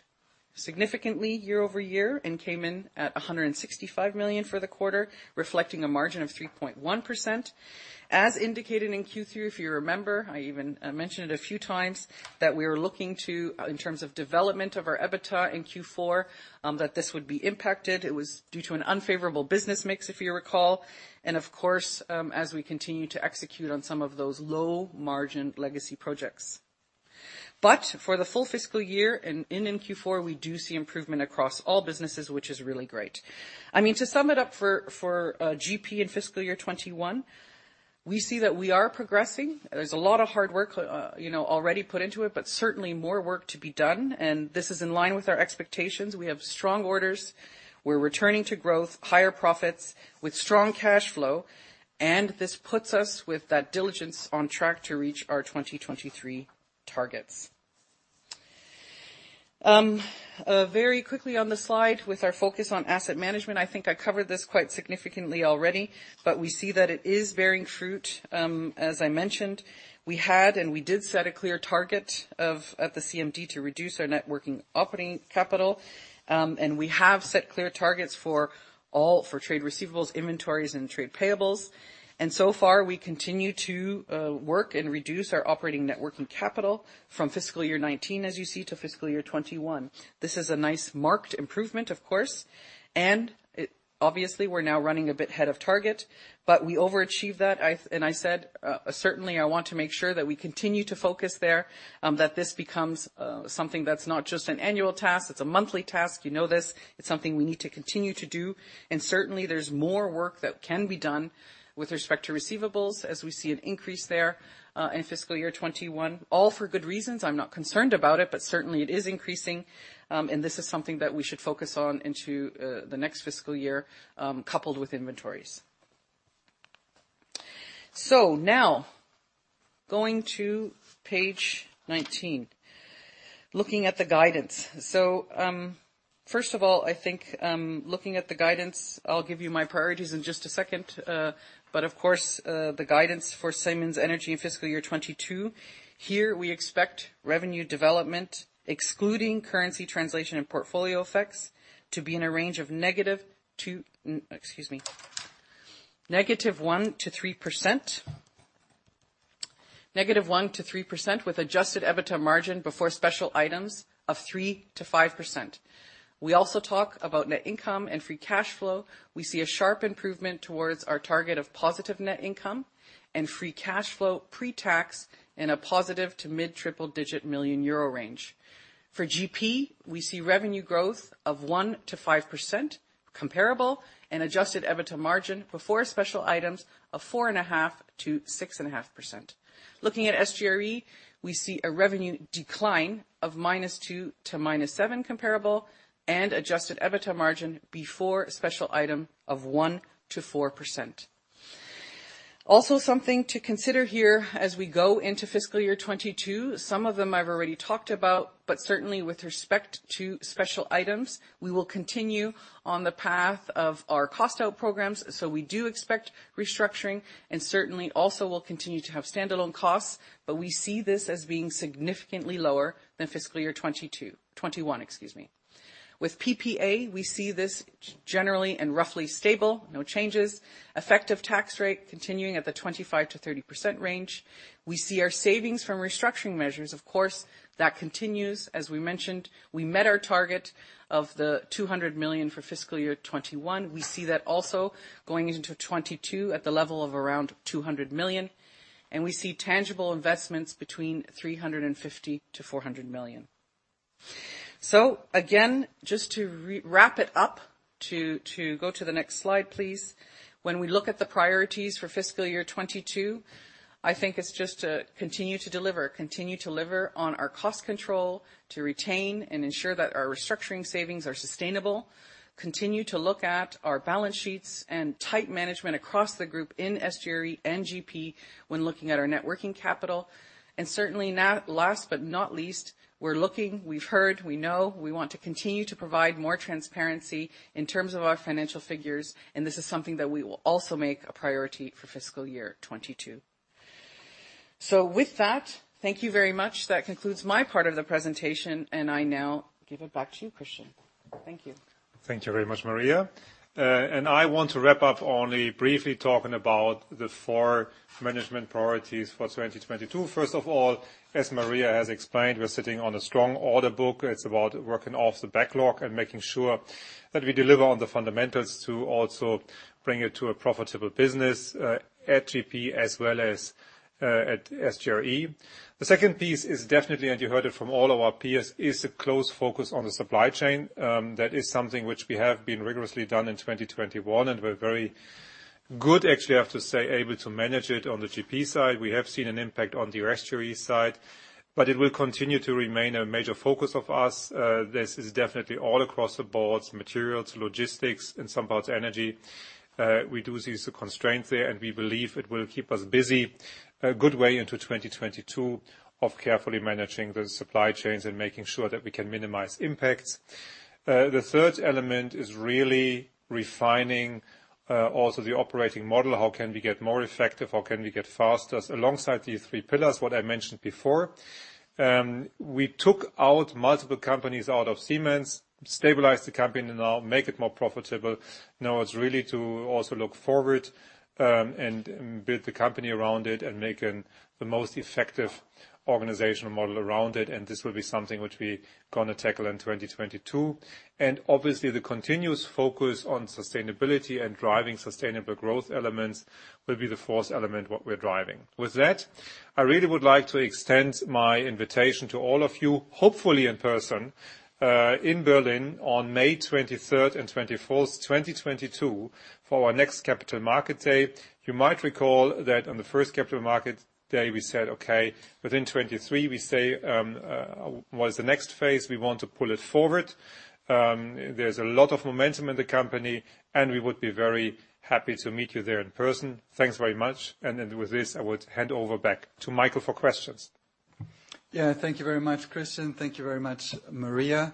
Speaker 4: significantly year-over-year and came in at 165 million for the quarter, reflecting a margin of 3.1%. As indicated in Q3, if you remember, I even mentioned it a few times that we were looking to, in terms of development of our EBITDA in Q4, that this would be impacted. It was due to an unfavorable business mix, if you recall. Of course, as we continue to execute on some of those low-margin legacy projects. For the full fiscal year and ending Q4, we do see improvement across all businesses, which is really great. I mean, to sum it up for GP in fiscal year 2021, we see that we are progressing. There's a lot of hard work, you know, already put into it, but certainly more work to be done. This is in line with our expectations. We have strong orders. We're returning to growth, higher profits with strong cash flow, and this puts us with that diligence on track to reach our 2023 targets. Very quickly on the slide with our focus on asset management. I think I covered this quite significantly already, but we see that it is bearing fruit. As I mentioned, we set a clear target of, at the CMD to reduce our net working capital. We have set clear targets for all, for trade receivables, inventories, and trade payables. So far, we continue to work and reduce our operating net working capital from fiscal year 2019, as you see, to fiscal year 2021. This is a nice, marked improvement, of course, and obviously, we're now running a bit ahead of target, but we overachieved that. I said, certainly I want to make sure that we continue to focus there, that this becomes something that's not just an annual task, it's a monthly task. You know this. It's something we need to continue to do. Certainly, there's more work that can be done with respect to receivables as we see an increase there, in fiscal year 2021. All for good reasons. I'm not concerned about it, but certainly it is increasing. This is something that we should focus on into the next fiscal year, coupled with inventories. Now going to page 19, looking at the guidance. First of all, I think, looking at the guidance, I'll give you my priorities in just a second. Of course, the guidance for Siemens Energy in fiscal year 2022, here we expect revenue development, excluding currency translation and portfolio effects, to be in a range of -1% to 3% with adjusted EBITDA margin before special items of 3%-5%. We also talk about net income and free cash flow. We see a sharp improvement towards our target of positive net income and free cash flow pre-tax in a positive to mid triple-digit million EUR range. For GP, we see revenue growth of 1%-5% comparable and adjusted EBITDA margin before special items of 4.5%-6.5%. Looking at SGRE, we see a revenue decline of -2% to -7% comparable and adjusted EBITDA margin before special item of 1%-4%. Something to consider here as we go into fiscal year 2022, some of them I've already talked about, but certainly with respect to special items, we will continue on the path of our cost out programs. We do expect restructuring and certainly also will continue to have stand-alone costs. We see this as being significantly lower than fiscal year 2021, excuse me. With PPA, we see this generally and roughly stable, no changes. Effective tax rate continuing at the 25%-30% range. We see our savings from restructuring measures, of course, that continues. As we mentioned, we met our target of 200 million for fiscal year 2021. We see that also going into 2022 at the level of around 200 million, and we see tangible investments between 350 million and 400 million. Again, just to wrap it up, to go to the next slide, please. When we look at the priorities for fiscal year 2022, I think it's just to continue to deliver. Continue to deliver on our cost control, to retain and ensure that our restructuring savings are sustainable, continue to look at our balance sheets and tight management across the group in SGRE and GP when looking at our working capital. Certainly not last but not least, we're looking, we've heard, we know we want to continue to provide more transparency in terms of our financial figures, and this is something that we will also make a priority for fiscal year 2022. With that, thank you very much. That concludes my part of the presentation, and I now give it back to you, Christian. Thank you.
Speaker 3: Thank you very much, Maria. I want to wrap up only briefly talking about the four management priorities for 2022. First of all, as Maria has explained, we're sitting on a strong order book. It's about working off the backlog and making sure that we deliver on the fundamentals to also bring it to a profitable business at GP as well as at SGRE. The second piece is definitely, and you heard it from all of our peers, is a close focus on the supply chain. That is something which we have been rigorously doing in 2021, and we're very good, actually, I have to say, able to manage it on the GP side. We have seen an impact on the SGRE side, but it will continue to remain a major focus of us. This is definitely all across the boards, materials, logistics, in some parts energy. We do see some constraints there, and we believe it will keep us busy a good way into 2022 carefully managing the supply chains and making sure that we can minimize impacts. The third element is really refining also the operating model. How can we get more effective? How can we get faster? Alongside these three pillars, what I mentioned before, we took out multiple companies out of Siemens, stabilized the company and now make it more profitable. Now it's really to also look forward, and build the company around it and make the most effective organizational model around it. This will be something which we gonna tackle in 2022. Obviously, the continuous focus on sustainability and driving sustainable growth elements will be the fourth element, what we're driving. With that, I really would like to extend my invitation to all of you, hopefully in person, in Berlin on May 23rd and 24th, 2022 for our next Capital Markets Day. You might recall that on the first Capital Markets Day, we said, okay, within 2023, we say, what is the next phase? We want to pull it forward. There's a lot of momentum in the company, and we would be very happy to meet you there in person. Thanks very much. Then with this, I would hand over back to Michael for questions.
Speaker 2: Yeah. Thank you very much, Christian. Thank you very much, Maria.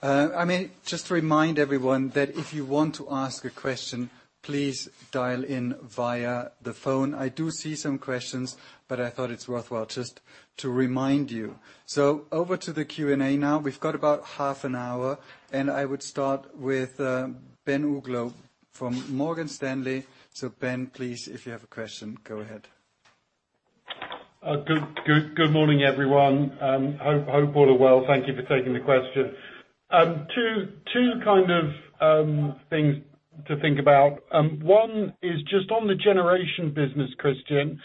Speaker 2: I mean, just to remind everyone that if you want to ask a question, please dial in via the phone. I do see some questions, but I thought it's worthwhile just to remind you. Over to the Q&A now. We've got about half an hour, and I would start with Ben Uglow from Morgan Stanley. Ben, please, if you have a question, go ahead.
Speaker 5: Good morning, everyone. Hope all are well. Thank you for taking the question. Two kind of things to think about. One is just on the generation business, Christian.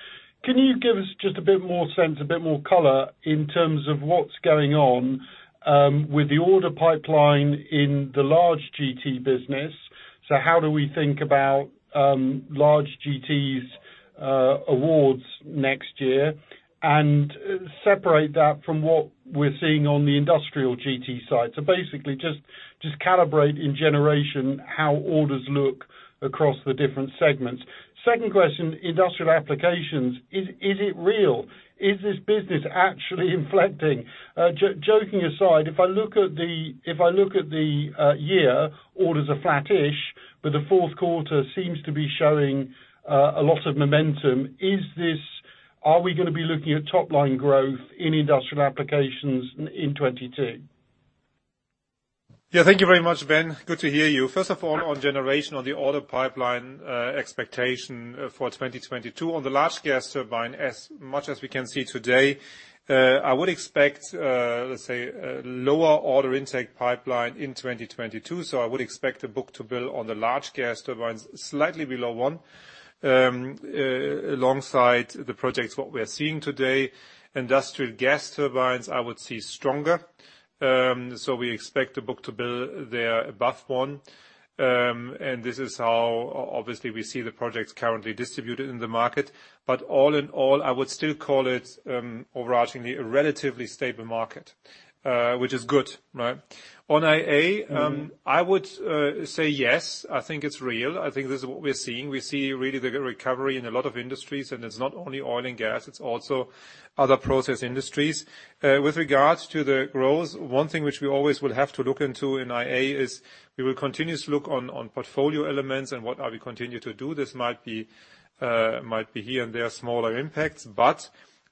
Speaker 5: Can you give us just a bit more sense, a bit more color in terms of what's going on with the order pipeline in the large GT business? So how do we think about large GT's awards next year? And separate that from what we're seeing on the industrial GT side. So basically just calibrate in generation how orders look across the different segments. Second question, industrial applications, is it real? Is this business actually inflecting? Joking aside, if I look at the year, orders are flattish, but the fourth quarter seems to be showing a lot of momentum. Are we gonna be looking at top-line growth in industrial applications in 2022?
Speaker 3: Yeah, thank you very much, Ben. Good to hear you. First of all, on generation, on the order pipeline, expectation for 2022. On the large gas turbine, as much as we can see today, I would expect, let's say, a lower order intake pipeline in 2022. I would expect the book-to-bill on the large gas turbines slightly below one, alongside the projects what we are seeing today. Industrial gas turbines, I would see stronger. We expect the book-to-bill there above one. This is how obviously we see the projects currently distributed in the market. All in all, I would still call it overarchingly a relatively stable market, which is good, right? On IA, I would say yes, I think it's real. I think this is what we're seeing. We see really the recovery in a lot of industries, and it's not only oil and gas, it's also other process industries. With regards to the growth, one thing which we always will have to look into in IA is we will continue to look on portfolio elements and what we continue to do. This might be here and there smaller impacts, but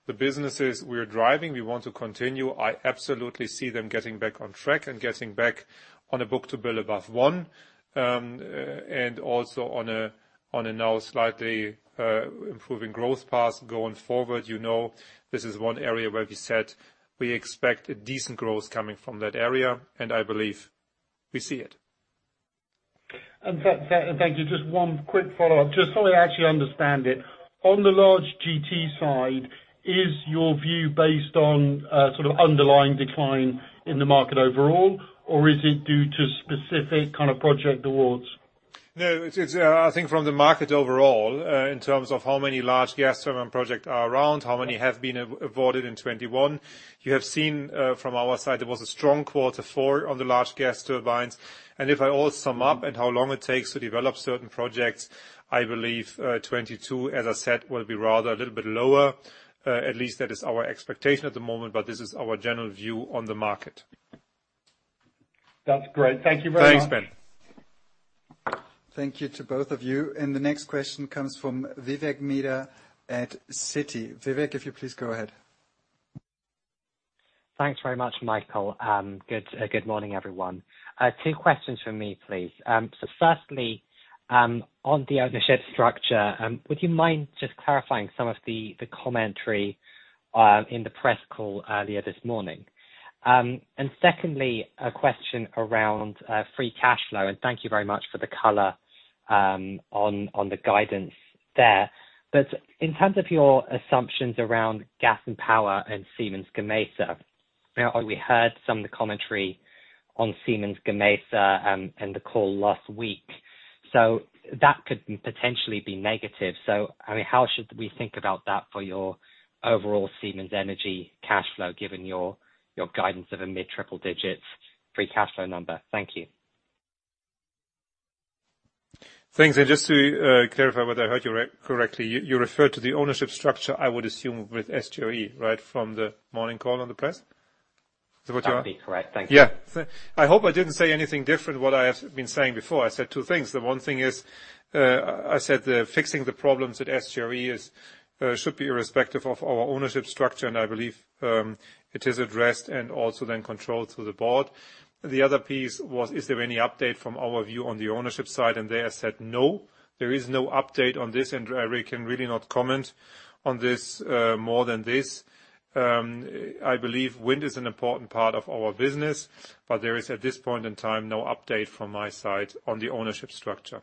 Speaker 3: the businesses we're driving, we want to continue. I absolutely see them getting back on track and getting back on a book-to-bill above one. And also on a now slightly improving growth path going forward. You know, this is one area where we said we expect a decent growth coming from that area, and I believe we see it.
Speaker 5: Thank you. Just one quick follow-up, just so I actually understand it. On the large GT side, is your view based on sort of underlying decline in the market overall, or is it due to specific kind of project awards?
Speaker 3: No, it's I think from the market overall, in terms of how many large gas turbine projects are around, how many have been avoided in 2021. You have seen from our side, there was a strong quarter for the large gas turbines. If I sum it all up and how long it takes to develop certain projects, I believe 2022, as I said, will be rather a little bit lower. At least that is our expectation at the moment, but this is our general view on the market.
Speaker 5: That's great. Thank you very much.
Speaker 3: Thanks, Ben.
Speaker 2: Thank you to both of you. The next question comes from Vivek Midha at Citi. Vivek, if you please go ahead.
Speaker 6: Thanks very much, Michael. Good morning, everyone. Two questions from me, please. Firstly, on the ownership structure, would you mind just clarifying some of the commentary in the press call earlier this morning? Secondly, a question around free cash flow, and thank you very much for the color on the guidance there. In terms of your assumptions around gas and power and Siemens Gamesa, you know, we heard some of the commentary on Siemens Gamesa in the call last week. That could potentially be negative. I mean, how should we think about that for your overall Siemens Energy cash flow, given your guidance of a mid-triple digits free cash flow number? Thank you.
Speaker 3: Thanks. Just to clarify whether I heard you correctly, you referred to the ownership structure, I would assume, with SGRE, right? From the morning call on the press? Is that what you're-
Speaker 6: That'd be correct. Thank you.
Speaker 3: Yeah. I hope I didn't say anything different what I have been saying before. I said two things. The one thing is, I said fixing the problems at SGRE is should be irrespective of our ownership structure, and I believe it is addressed and also then controlled through the board. The other piece was, is there any update from our view on the ownership side? There I said, no, there is no update on this, and I really can not comment on this more than this. I believe wind is an important part of our business, but there is, at this point in time, no update from my side on the ownership structure.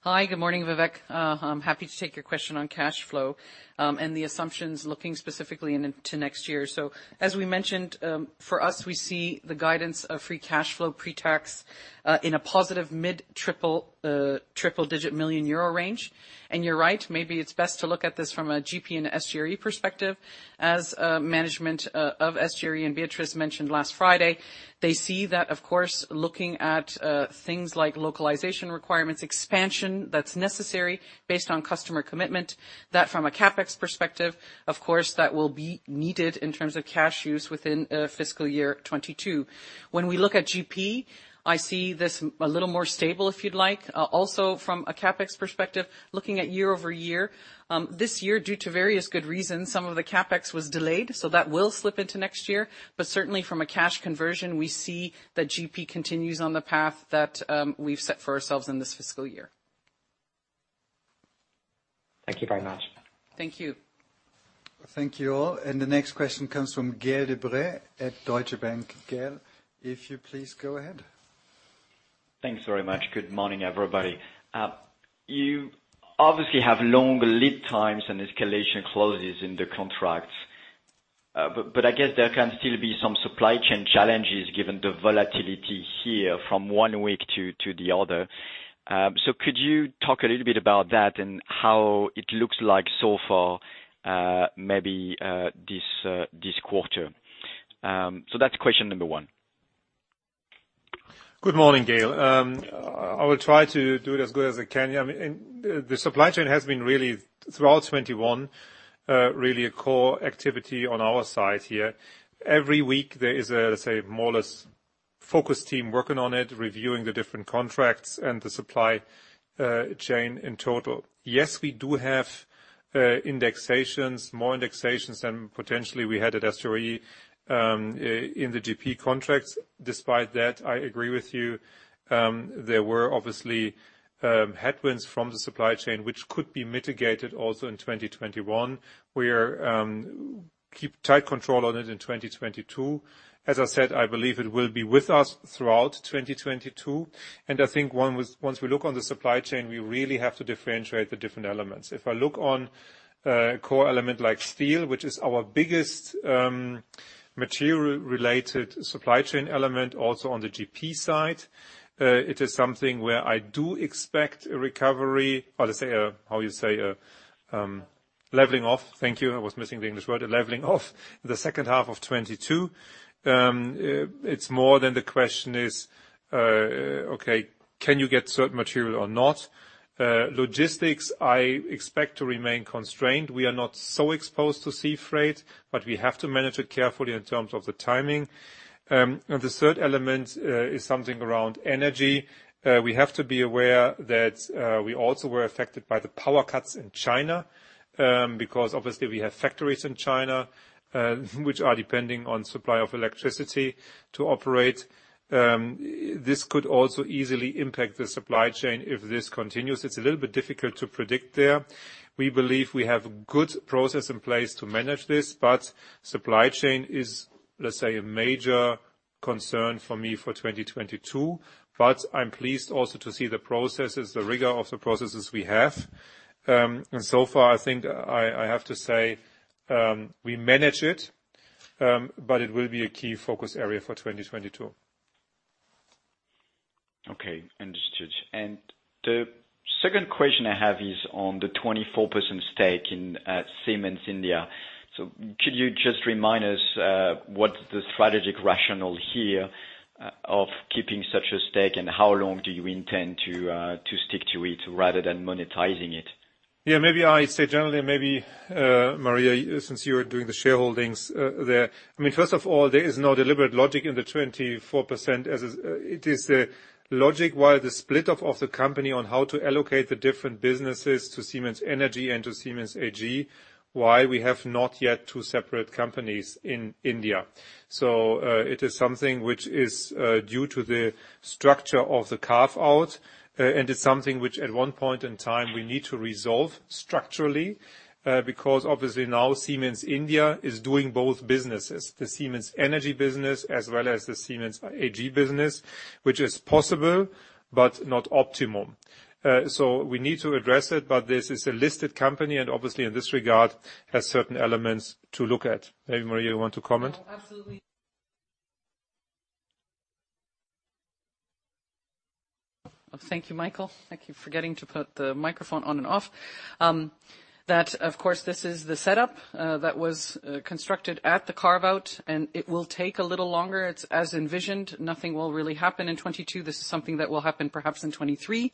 Speaker 4: Hi, good morning, Vivek. I'm happy to take your question on cash flow, and the assumptions looking specifically into next year. As we mentioned, for us, we see the guidance of free cash flow pre-tax, in a positive mid-triple-digit million euro range. You're right, maybe it's best to look at this from a GP and SGRE perspective. As management of SGRE and Beatriz mentioned last Friday, they see that, of course, looking at things like localization requirements, expansion that's necessary based on customer commitment, that from a CapEx perspective, of course, that will be needed in terms of cash use within fiscal year 2022. When we look at GP, I see this a little more stable, if you'd like. Also from a CapEx perspective, looking at year-over-year, this year, due to various good reasons, some of the CapEx was delayed, so that will slip into next year. Certainly from a cash conversion, we see that GP continues on the path that we've set for ourselves in this fiscal year.
Speaker 6: Thank you very much.
Speaker 4: Thank you.
Speaker 2: Thank you all. The next question comes from Gael de-Bray at Deutsche Bank. Gael, if you please go ahead.
Speaker 7: Thanks very much. Good morning, everybody. You obviously have long lead times and escalation clauses in the contracts. But I guess there can still be some supply chain challenges given the volatility here from one week to the other. So could you talk a little bit about that and how it looks like so far, maybe this quarter? So that's question number one.
Speaker 3: Good morning, Gael de-Bray. I will try to do it as good as I can. Yeah, I mean, the supply chain has been really, throughout 2021, really a core activity on our side here. Every week there is a, let's say, more or less focus team working on it, reviewing the different contracts and the supply chain in total. Yes, we do have indexations, more indexations than potentially we had at IPO, in the GP contracts. Despite that, I agree with you, there were obviously headwinds from the supply chain, which could be mitigated also in 2021. We keep tight control on it in 2022. As I said, I believe it will be with us throughout 2022, and I think once we look on the supply chain, we really have to differentiate the different elements. If I look on a core element like steel, which is our biggest material-related supply chain element also on the GP side, it is something where I do expect a recovery or let's say a, how you say a leveling off. Thank you. I was missing the English word. A leveling off in the second half of 2022. It's more than the question is, okay, can you get certain material or not? Logistics, I expect to remain constrained. We are not so exposed to sea freight, but we have to manage it carefully in terms of the timing. The third element is something around energy. We have to be aware that we also were affected by the power cuts in China, because obviously we have factories in China, which are depending on supply of electricity to operate. This could also easily impact the supply chain if this continues. It's a little bit difficult to predict there. We believe we have good process in place to manage this, but supply chain is, let's say, a major concern for me for 2022. I'm pleased also to see the processes, the rigor of the processes we have. So far I think I have to say, we manage it, but it will be a key focus area for 2022.
Speaker 7: Okay, understood. The second question I have is on the 24% stake in Siemens India. Could you just remind us what the strategic rationale here of keeping such a stake, and how long do you intend to stick to it rather than monetizing it?
Speaker 3: Yeah, maybe I say generally, maybe, Maria, since you are doing the shareholdings, there. I mean, first of all, there is no deliberate logic in the 24% as it is the logic why the split up of the company on how to allocate the different businesses to Siemens Energy and to Siemens AG, why we have not yet two separate companies in India. It is something which is due to the structure of the carve-out, and it's something which at one point in time we need to resolve structurally, because obviously now Siemens India is doing both businesses, the Siemens Energy business as well as the Siemens AG business, which is possible but not optimum. We need to address it, but this is a listed company and obviously in this regard has certain elements to look at.
Speaker 2: Maybe, Maria, you want to comment?
Speaker 4: No, absolutely. Thank you, Michael. I keep forgetting to put the microphone on and off. That, of course, this is the setup that was constructed at the carve-out, and it will take a little longer. It's as envisioned, nothing will really happen in 2022. This is something that will happen perhaps in 2023.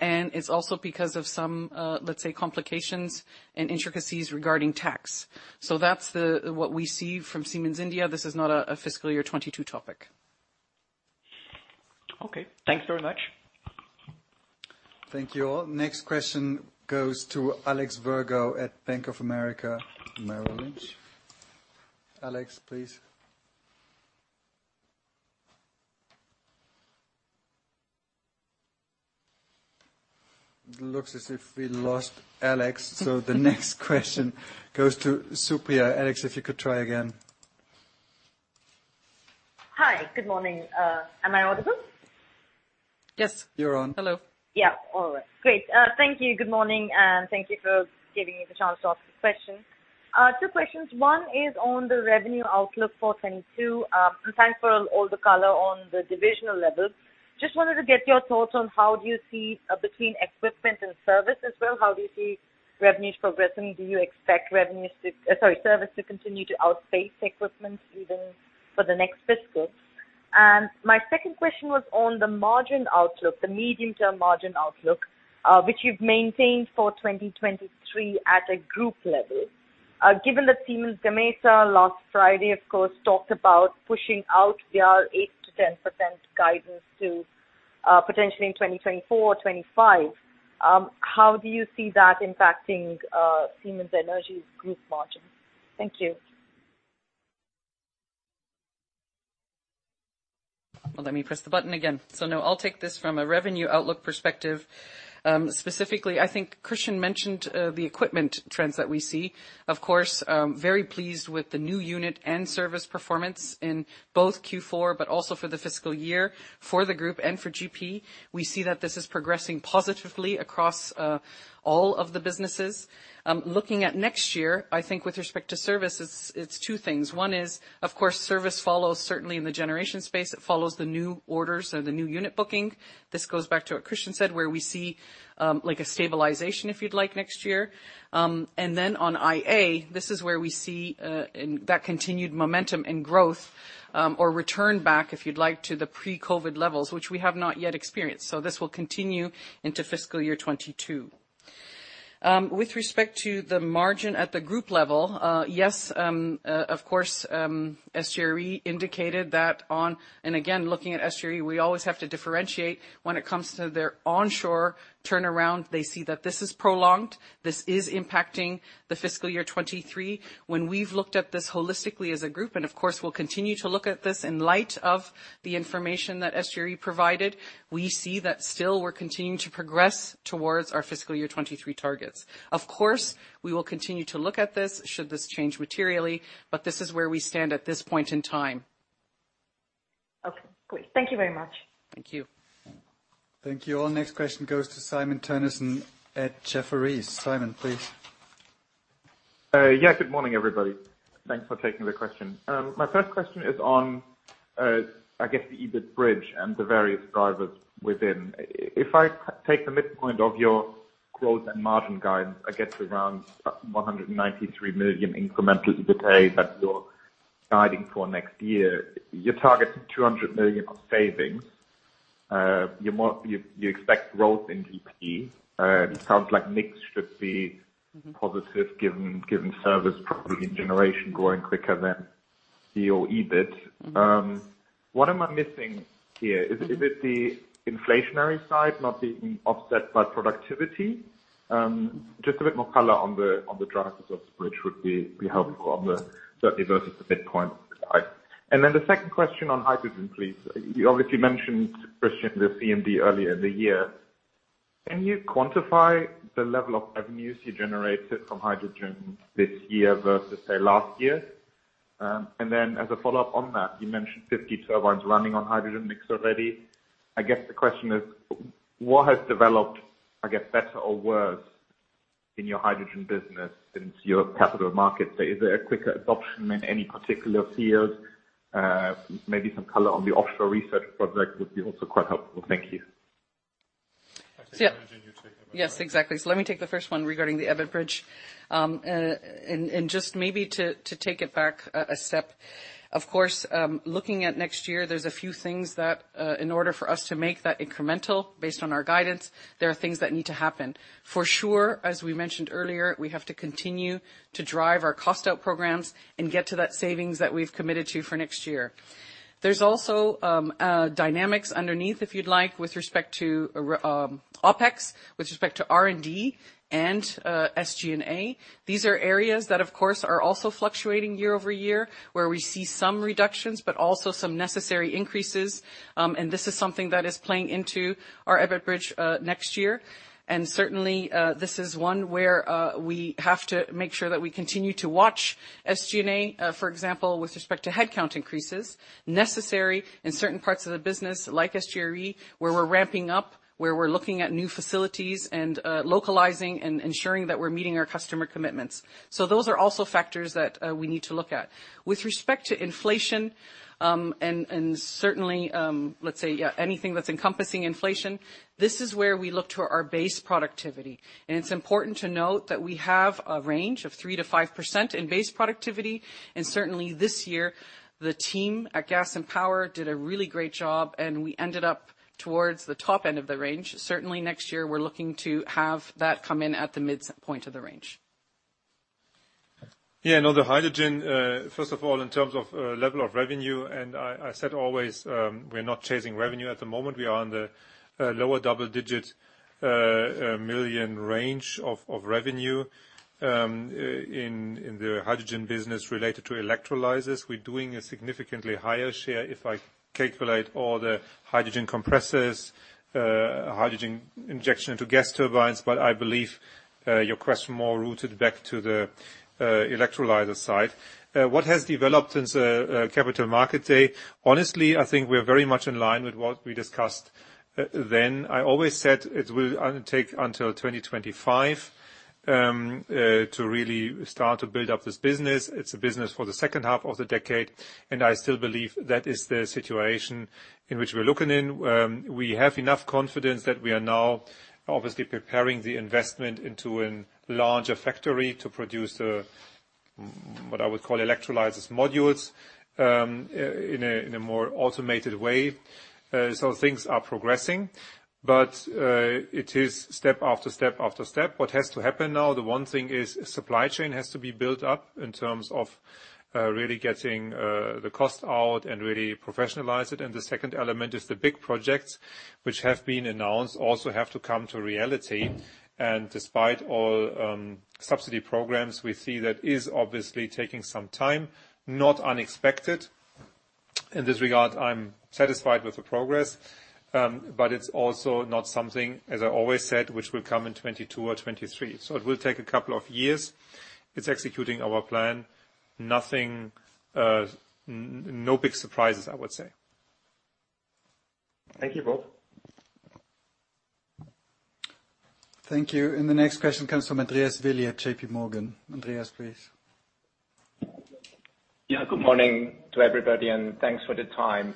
Speaker 4: It's also because of some, let's say, complications and intricacies regarding tax. That's what we see from Siemens India. This is not a fiscal year 2022 topic.
Speaker 7: Okay. Thank you very much.
Speaker 2: Thank you all. Next question goes to Alex Virgo at Bank of America Merrill Lynch. Alex, please. It looks as if we lost Alex, so the next question goes to Supriya. Alex, if you could try again.
Speaker 8: Hi, good morning. Am I audible?
Speaker 4: Yes.
Speaker 3: You're on.
Speaker 4: Hello.
Speaker 8: Yeah. All right. Great. Thank you. Good morning, and thank you for giving me the chance to ask these questions. Two questions. One is on the revenue outlook for 2022. Thanks for all the color on the divisional levels. Just wanted to get your thoughts on how do you see between equipment and service as well, how do you see revenues progressing? Do you expect service to continue to outpace equipment even for the next fiscal? My second question was on the margin outlook, the medium-term margin outlook, which you've maintained for 2023 at a group level. Given that Siemens Gamesa last Friday, of course, talked about pushing out their 8%-10% guidance to potentially in 2024 or 2025, how do you see that impacting Siemens Energy's group margin? Thank you.
Speaker 4: Well, let me press the button again. No, I'll take this from a revenue outlook perspective. Specifically, I think Christian mentioned the equipment trends that we see. Of course, I'm very pleased with the new unit and service performance in both Q4, but also for the fiscal year for the group and for GP. We see that this is progressing positively across all of the businesses. Looking at next year, I think with respect to service, it's two things. One is, of course, service follows certainly in the generation space. It follows the new orders or the new unit booking. This goes back to what Christian said, where we see like a stabilization, if you'd like, next year. On IA, this is where we see that continued momentum and growth, or return back, if you'd like, to the pre-COVID levels, which we have not yet experienced. This will continue into fiscal year 2022. With respect to the margin at the group level, yes, of course, SGRE indicated that. Again, looking at SGRE, we always have to differentiate when it comes to their onshore turnaround. They see that this is prolonged. This is impacting the fiscal year 2023. When we've looked at this holistically as a group, and of course we'll continue to look at this in light of the information that SGRE provided, we see that still we're continuing to progress towards our fiscal year 2023 targets. Of course, we will continue to look at this, should this change materially, but this is where we stand at this point in time.
Speaker 8: Okay, great. Thank you very much.
Speaker 4: Thank you.
Speaker 2: Thank you all. Next question goes to Simon Toennessen at Jefferies. Simon, please.
Speaker 9: Yeah, good morning, everybody. Thanks for taking the question. My first question is on, I guess, the EBIT bridge and the various drivers within. If I take the midpoint of your growth and margin guidance, I guess around 193 million incremental EBITA that you're guiding for next year. You're targeting 200 million on savings. You expect growth in GP. It sounds like mix should be positive given service probably in generation growing quicker than your EBIT. What am I missing here? Is it the inflationary side not being offset by productivity? Just a bit more color on the drivers of the bridge would be helpful, certainly versus the midpoint side. Then the second question on hydrogen, please. You obviously mentioned, Christian, the CMD earlier in the year. Can you quantify the level of revenues you generated from hydrogen this year versus, say, last year? Then as a follow-up on that, you mentioned 50 turbines running on hydrogen mix already. I guess the question is, what has developed, I guess, better or worse in your hydrogen business since your capital markets? Is there a quicker adoption in any particular field? Maybe some color on the offshore research project would also be quite helpful. Thank you.
Speaker 4: Yeah.
Speaker 3: I'll take the hydrogen. You take the
Speaker 4: Yes, exactly. Let me take the first one regarding the EBIT bridge. Just maybe to take it back a step. Of course, looking at next year, there's a few things that in order for us to make that incremental based on our guidance, there are things that need to happen. For sure, as we mentioned earlier, we have to continue to drive our cost-out programs and get to that savings that we've committed to for next year. There's also dynamics underneath, if you'd like, with respect to OpEx, with respect to R&D and SG&A. These are areas that, of course, are also fluctuating year-over-year, where we see some reductions, but also some necessary increases. This is something that is playing into our EBIT bridge next year. Certainly, this is one where we have to make sure that we continue to watch SG&A, for example, with respect to headcount increases necessary in certain parts of the business like SGRE, where we're ramping up, where we're looking at new facilities and localizing and ensuring that we're meeting our customer commitments. Those are also factors that we need to look at. With respect to inflation, and certainly, let's say, yeah, anything that's encompassing inflation, this is where we look to our base productivity. It's important to note that we have a range of 3%-5% in base productivity, and certainly this year, the team at Gas and Power did a really great job, and we ended up towards the top end of the range. Certainly next year, we're looking to have that come in at the midpoint of the range.
Speaker 3: Yeah. No, the hydrogen, first of all, in terms of level of revenue, and I said always, we're not chasing revenue at the moment. We are on the lower double-digit million range of revenue in the hydrogen business related to electrolyzers. We're doing a significantly higher share if I calculate all the hydrogen compressors, hydrogen injection into gas turbines. But I believe your question more rooted back to the electrolyzer side. What has developed since Capital Markets Day? Honestly, I think we're very much in line with what we discussed then. I always said it will take until 2025 to really start to build up this business. It's a business for the second half of the decade, and I still believe that is the situation in which we're looking in. We have enough confidence that we are now, obviously preparing the investment into a larger factory to produce what I would call electrolyzers modules in a more automated way. Things are progressing, but it is step after step after step. What has to happen now, the one thing is supply chain has to be built up in terms of really getting the cost out and really professionalize it. The second element is the big projects which have been announced also have to come to reality. Despite all subsidy programs, we see that is obviously taking some time, not unexpected. In this regard, I'm satisfied with the progress, but it's also not something, as I always said, which will come in 2022 or 2023. It will take a couple of years. It's executing our plan. Nothing, no big surprises, I would say.
Speaker 9: Thank you both.
Speaker 2: Thank you. The next question comes from Andreas Willi at JPMorgan. Andreas, please.
Speaker 10: Yeah, good morning to everybody, and thanks for the time.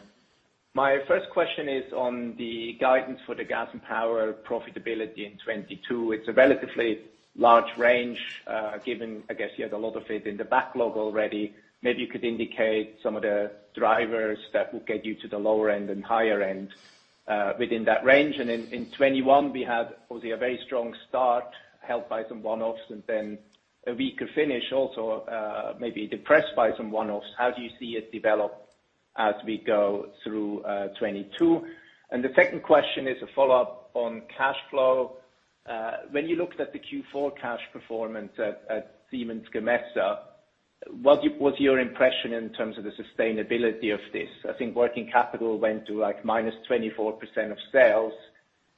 Speaker 10: My first question is on the guidance for the gas and power profitability in 2022. It's a relatively large range, given, I guess, you had a lot of it in the backlog already. Maybe you could indicate some of the drivers that will get you to the lower end and higher end within that range. In 2021 we had obviously a very strong start, helped by some one-offs, and then a weaker finish also, maybe depressed by some one-offs. How do you see it develop as we go through 2022? The second question is a follow-up on cash flow. When you looked at the Q4 cash performance at Siemens Gamesa, what's your impression in terms of the sustainability of this? I think working capital went to like minus 24% of sales.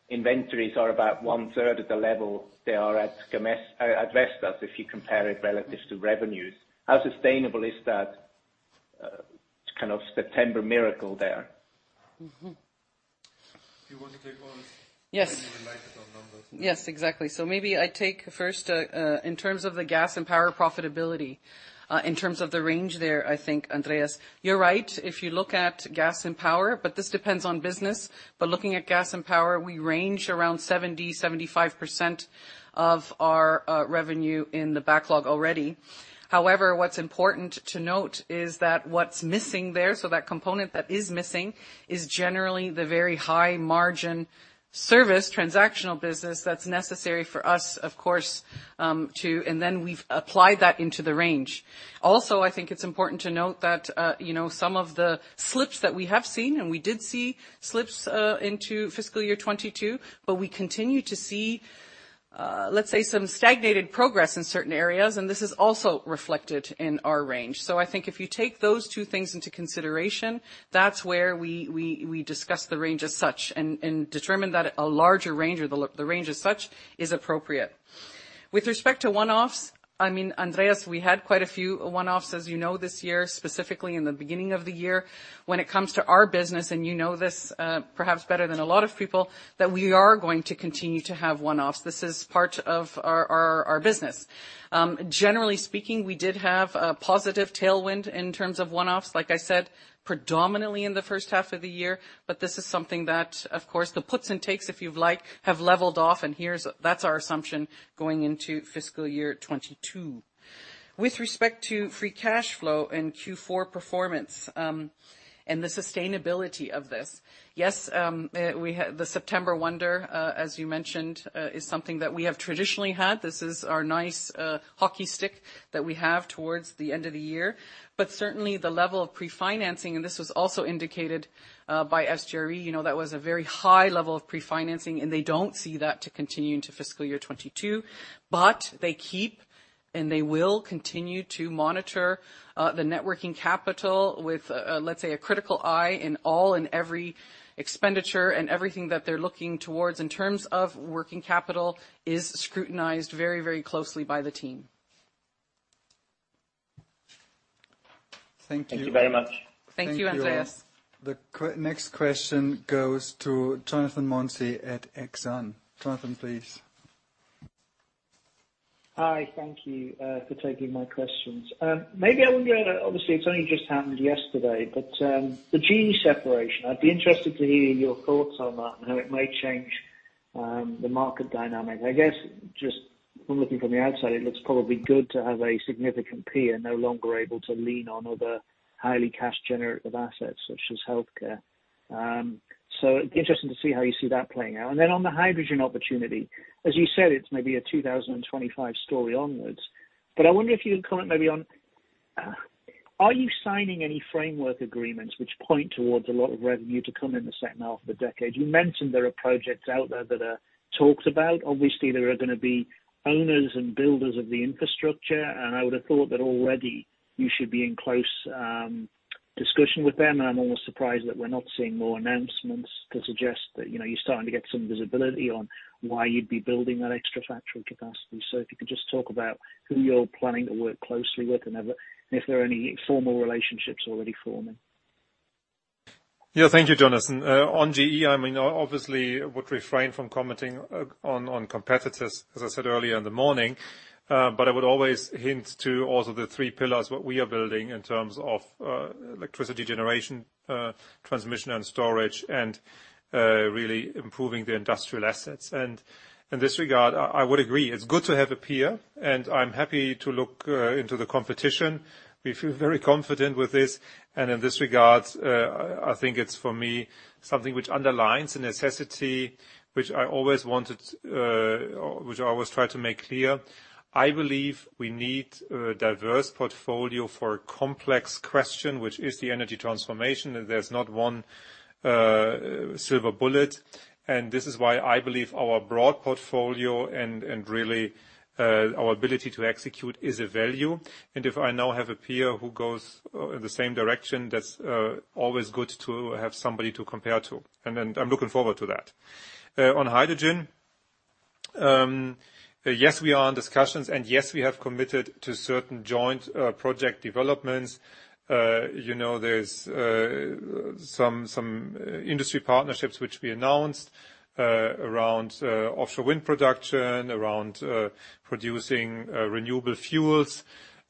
Speaker 10: Inventories are about one-third of the level they are at Vestas if you compare it relative to revenues. How sustainable is that kind of September miracle there?
Speaker 4: Mm-hmm.
Speaker 3: Do you want to take one?
Speaker 4: Yes. Yes, exactly. Maybe I take first in terms of the gas and power profitability. In terms of the range there, I think, Andreas, you're right. If you look at gas and power, but this depends on business. But looking at gas and power, we range around 70%-75% of our revenue in the backlog already. However, what's important to note is that what's missing there, so that component that is missing is generally the very high margin service transactional business that's necessary for us, of course, and then we've applied that into the range. Also, I think it's important to note that, you know, some of the slips that we have seen, and we did see slips into fiscal year 2022, but we continue to see, let's say some stagnated progress in certain areas, and this is also reflected in our range. I think if you take those two things into consideration, that's where we discuss the range as such and determine that a larger range or the range as such is appropriate. With respect to one-offs, I mean, Andreas, we had quite a few one-offs, as you know, this year, specifically in the beginning of the year. When it comes to our business, and you know this, perhaps better than a lot of people, that we are going to continue to have one-offs. This is part of our business. Generally speaking, we did have a positive tailwind in terms of one-offs, like I said, predominantly in the first half of the year, but this is something that, of course, the puts and takes, if you'd like, have leveled off, and that's our assumption going into fiscal year 2022. With respect to free cash flow and Q4 performance, and the sustainability of this. Yes, we had the September wonder, as you mentioned, is something that we have traditionally had. This is our nice hockey stick that we have towards the end of the year. But certainly the level of pre-financing, and this was also indicated by SGRE, you know, that was a very high level of pre-financing, and they don't see that to continue into fiscal year 2022. They keep, and they will continue to monitor, the net working capital with, let's say, a critical eye on all and every expenditure, and everything that they're looking towards in terms of working capital is scrutinized very, very closely by the team.
Speaker 3: Thank you.
Speaker 10: Thank you very much.
Speaker 4: Thank you, Andreas.
Speaker 2: The next question goes to Jonathan Mounsey at Exane. Jonathan, please.
Speaker 11: Hi. Thank you for taking my questions. Maybe I wonder, obviously, it's only just happened yesterday, but the GE separation. I'd be interested to hear your thoughts on that and how it may change the market dynamic. I guess just from looking from the outside, it looks probably good to have a significant peer no longer able to lean on other highly cash generative assets such as healthcare. It'd be interesting to see how you see that playing out. On the hydrogen opportunity, as you said, it's maybe a 2025 story onwards. I wonder if you could comment maybe on are you signing any framework agreements which point towards a lot of revenue to come in the second half of the decade. You mentioned there are projects out there that are talked about. Obviously, there are gonna be owners and builders of the infrastructure. I would have thought that already you should be in close discussion with them. I'm almost surprised that we're not seeing more announcements to suggest that, you know, you're starting to get some visibility on why you'd be building that extra actual capacity. If you could just talk about who you're planning to work closely with and if there are any formal relationships already forming.
Speaker 3: Yeah. Thank you, Jonathan. On GE, I mean, obviously would refrain from commenting on competitors, as I said earlier in the morning. I would always hint to also the three pillars, what we are building in terms of electricity generation, transmission and storage, and really improving the industrial assets. In this regard, I would agree, it's good to have a peer, and I'm happy to look into the competition. We feel very confident with this. In this regard, I think it's for me, something which underlines the necessity, which I always wanted, which I always try to make clear. I believe we need a diverse portfolio for a complex question, which is the energy transformation. There's not one silver bullet, and this is why I believe our broad portfolio and really our ability to execute is a value. If I now have a peer who goes in the same direction, that's always good to have somebody to compare to. I'm looking forward to that. On hydrogen, yes, we are in discussions, and yes, we have committed to certain joint project developments. You know, there's some industry partnerships which we announced around offshore wind production, around producing renewable fuels.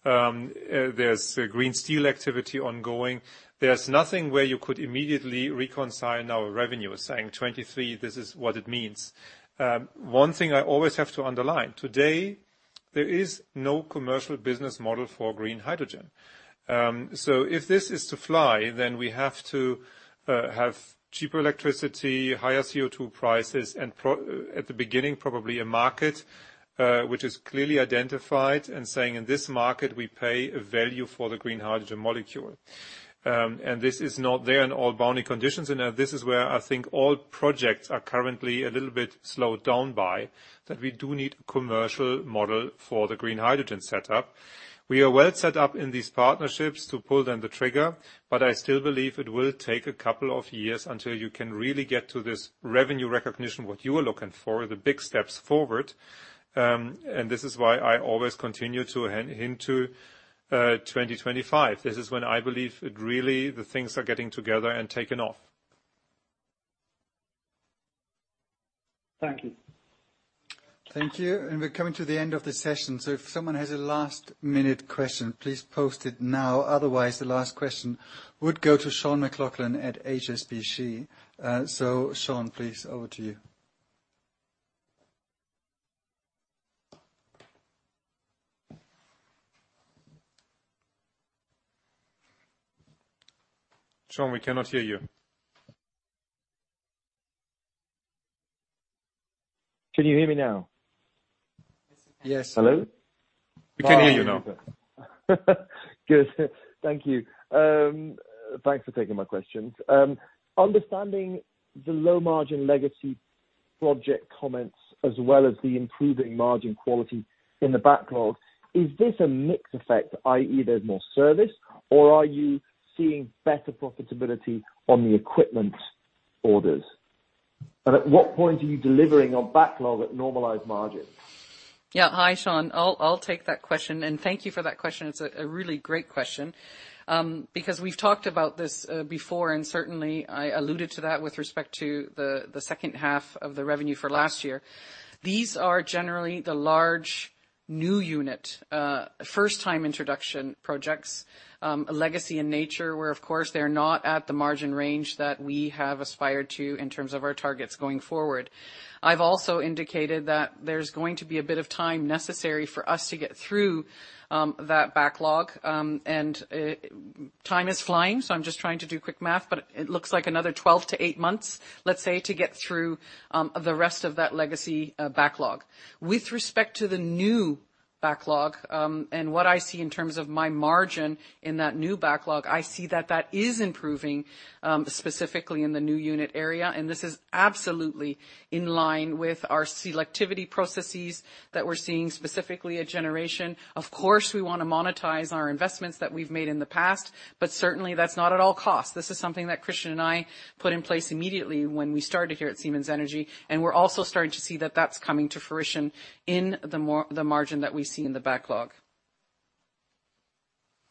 Speaker 3: There's green steel activity ongoing. There's nothing where you could immediately reconcile our revenue, saying 23, this is what it means. One thing I always have to underline. Today there is no commercial business model for green hydrogen. If this is to fly, we have to have cheaper electricity, higher CO₂ prices, and probably at the beginning, a market which is clearly identified and saying, "In this market, we pay a value for the green hydrogen molecule." This is not there in all boundary conditions, and this is where I think all projects are currently a little bit slowed down by that we do need a commercial model for the green hydrogen setup. We are well set up in these partnerships to pull the trigger, but I still believe it will take a couple of years until you can really get to this revenue recognition, what you are looking for, the big steps forward. This is why I always continue to head into 2025. This is when I believe it really, the things are getting together and taking off.
Speaker 11: Thank you.
Speaker 2: Thank you. We're coming to the end of the session, so if someone has a last-minute question, please post it now. Otherwise, the last question would go to Sean McLoughlin at HSBC. Sean, please, over to you.
Speaker 3: Sean, we cannot hear you.
Speaker 12: Can you hear me now?
Speaker 3: Yes.
Speaker 2: Yes.
Speaker 12: Hello?
Speaker 3: We can hear you now.
Speaker 12: Good. Thank you. Thanks for taking my questions. Understanding the low margin legacy project comments as well as the improving margin quality in the backlog, is this a mix effect, i.e. there's more service, or are you seeing better profitability on the equipment orders? And at what point are you delivering on backlog at normalized margins?
Speaker 4: Yeah. Hi, Sean. I'll take that question, and thank you for that question. It's a really great question. Because we've talked about this before, and certainly I alluded to that with respect to the second half of the revenue for last year. These are generally the large new unit first time introduction projects, legacy in nature, where of course they're not at the margin range that we have aspired to in terms of our targets going forward. I've also indicated that there's going to be a bit of time necessary for us to get through that backlog. And time is flying, so I'm just trying to do quick math, but it looks like another 12-8 months, let's say, to get through the rest of that legacy backlog. With respect to the new backlog, and what I see in terms of my margin in that new backlog, I see that that is improving, specifically in the new unit area, and this is absolutely in line with our selectivity processes that we're seeing specifically at generation. Of course, we wanna monetize our investments that we've made in the past, but certainly that's not at all costs. This is something that Christian and I put in place immediately when we started here at Siemens Energy, and we're also starting to see that that's coming to fruition in the margin that we see in the backlog.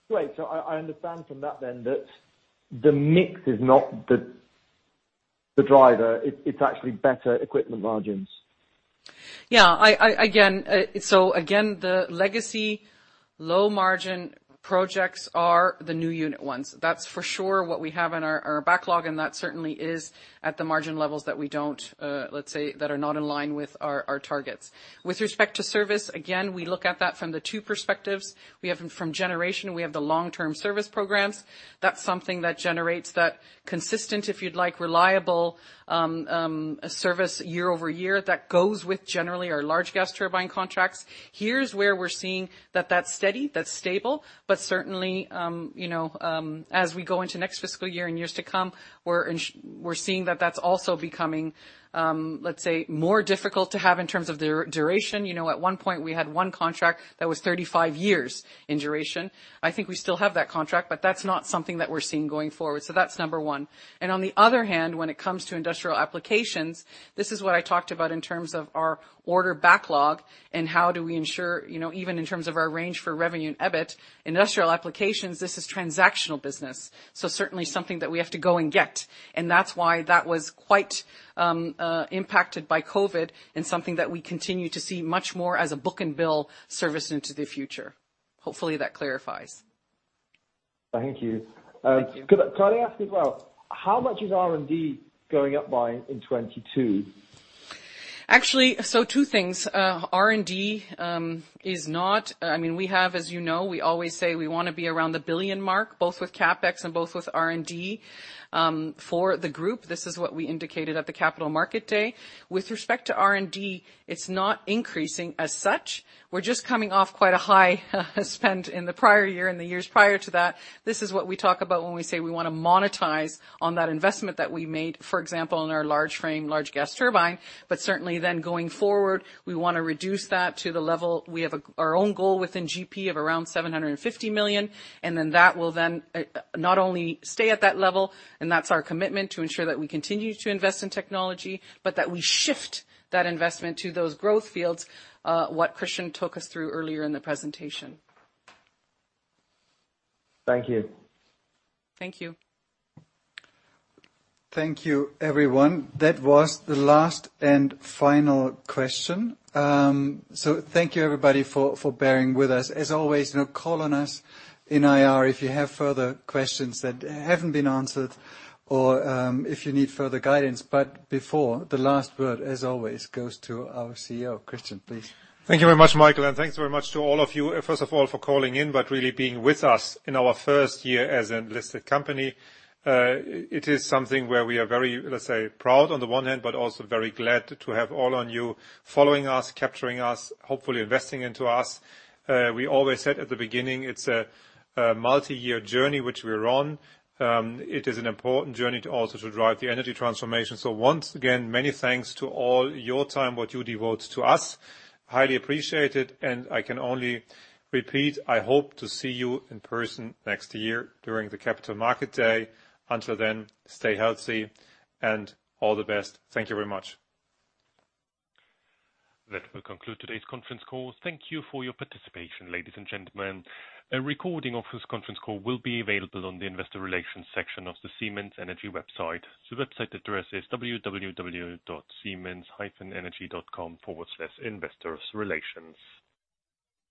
Speaker 12: Great. I understand from that then that the mix is not the driver. It's actually better equipment margins.
Speaker 4: I again, the legacy low margin projects are the new unit ones. That's for sure what we have in our backlog, and that certainly is at the margin levels that we don't, let's say, that are not in line with our targets. With respect to service, again, we look at that from the two perspectives. We have them from generation, we have the long-term service programs. That's something that generates that consistent, if you'd like, reliable, service year-over-year that goes with generally our large gas turbine contracts. Here's where we're seeing that that's steady, that's stable, but certainly, you know, as we go into next fiscal year and years to come, we're seeing that that's also becoming, let's say more difficult to have in terms of duration. You know, at one point, we had one contract that was 35 years in duration. I think we still have that contract, but that's not something that we're seeing going forward. That's number one. On the other hand, when it comes to industrial applications, this is what I talked about in terms of our order backlog and how do we ensure, you know, even in terms of our range for revenue and EBIT, industrial applications, this is transactional business. Certainly something that we have to go and get, and that's why that was quite impacted by COVID and something that we continue to see much more as a book-to-bill service into the future. Hopefully that clarifies.
Speaker 12: Thank you.
Speaker 4: Thank you.
Speaker 12: Could I ask as well, how much is R&D going up by in 2022?
Speaker 4: Actually, two things. R&D, I mean, we have, as you know, we always say we wanna be around the €1 billion mark, both with CapEx and both with R&D, for the group. This is what we indicated at the Capital Markets Day. With respect to R&D, it's not increasing as such. We're just coming off quite a high spend in the prior year and the years prior to that. This is what we talk about when we say we wanna monetize on that investment that we made, for example, in our large frame, large gas turbine. Certainly then going forward, we wanna reduce that to the level. We have our own goal within GP of around 750 million, and that will not only stay at that level, and that's our commitment to ensure that we continue to invest in technology, but that we shift that investment to those growth fields, what Christian took us through earlier in the presentation.
Speaker 12: Thank you.
Speaker 4: Thank you.
Speaker 2: Thank you, everyone. That was the last and final question. So thank you, everybody, for bearing with us. As always, you know, call on us in IR if you have further questions that haven't been answered or, if you need further guidance. Before, the last word, as always, goes to our CEO. Christian, please.
Speaker 3: Thank you very much, Michael, and thanks very much to all of you, first of all for calling in, but really being with us in our first year as a listed company. It is something where we are very, let's say, proud on the one hand, but also very glad to have all of you following us, covering us, hopefully investing into us. We always said at the beginning, it's a multi-year journey which we're on. It is an important journey also to drive the energy transformation. Once again, many thanks for all the time you devote to us. I highly appreciate it, and I can only repeat, I hope to see you in person next year during the Capital Markets Day. Until then, stay healthy and all the best. Thank you very much.
Speaker 1: That will conclude today's conference call. Thank you for your participation, ladies and gentlemen. A recording of this conference call will be available on the Investor Relations section of the Siemens Energy website. The website address is www.siemens-energy.com/investor-relations.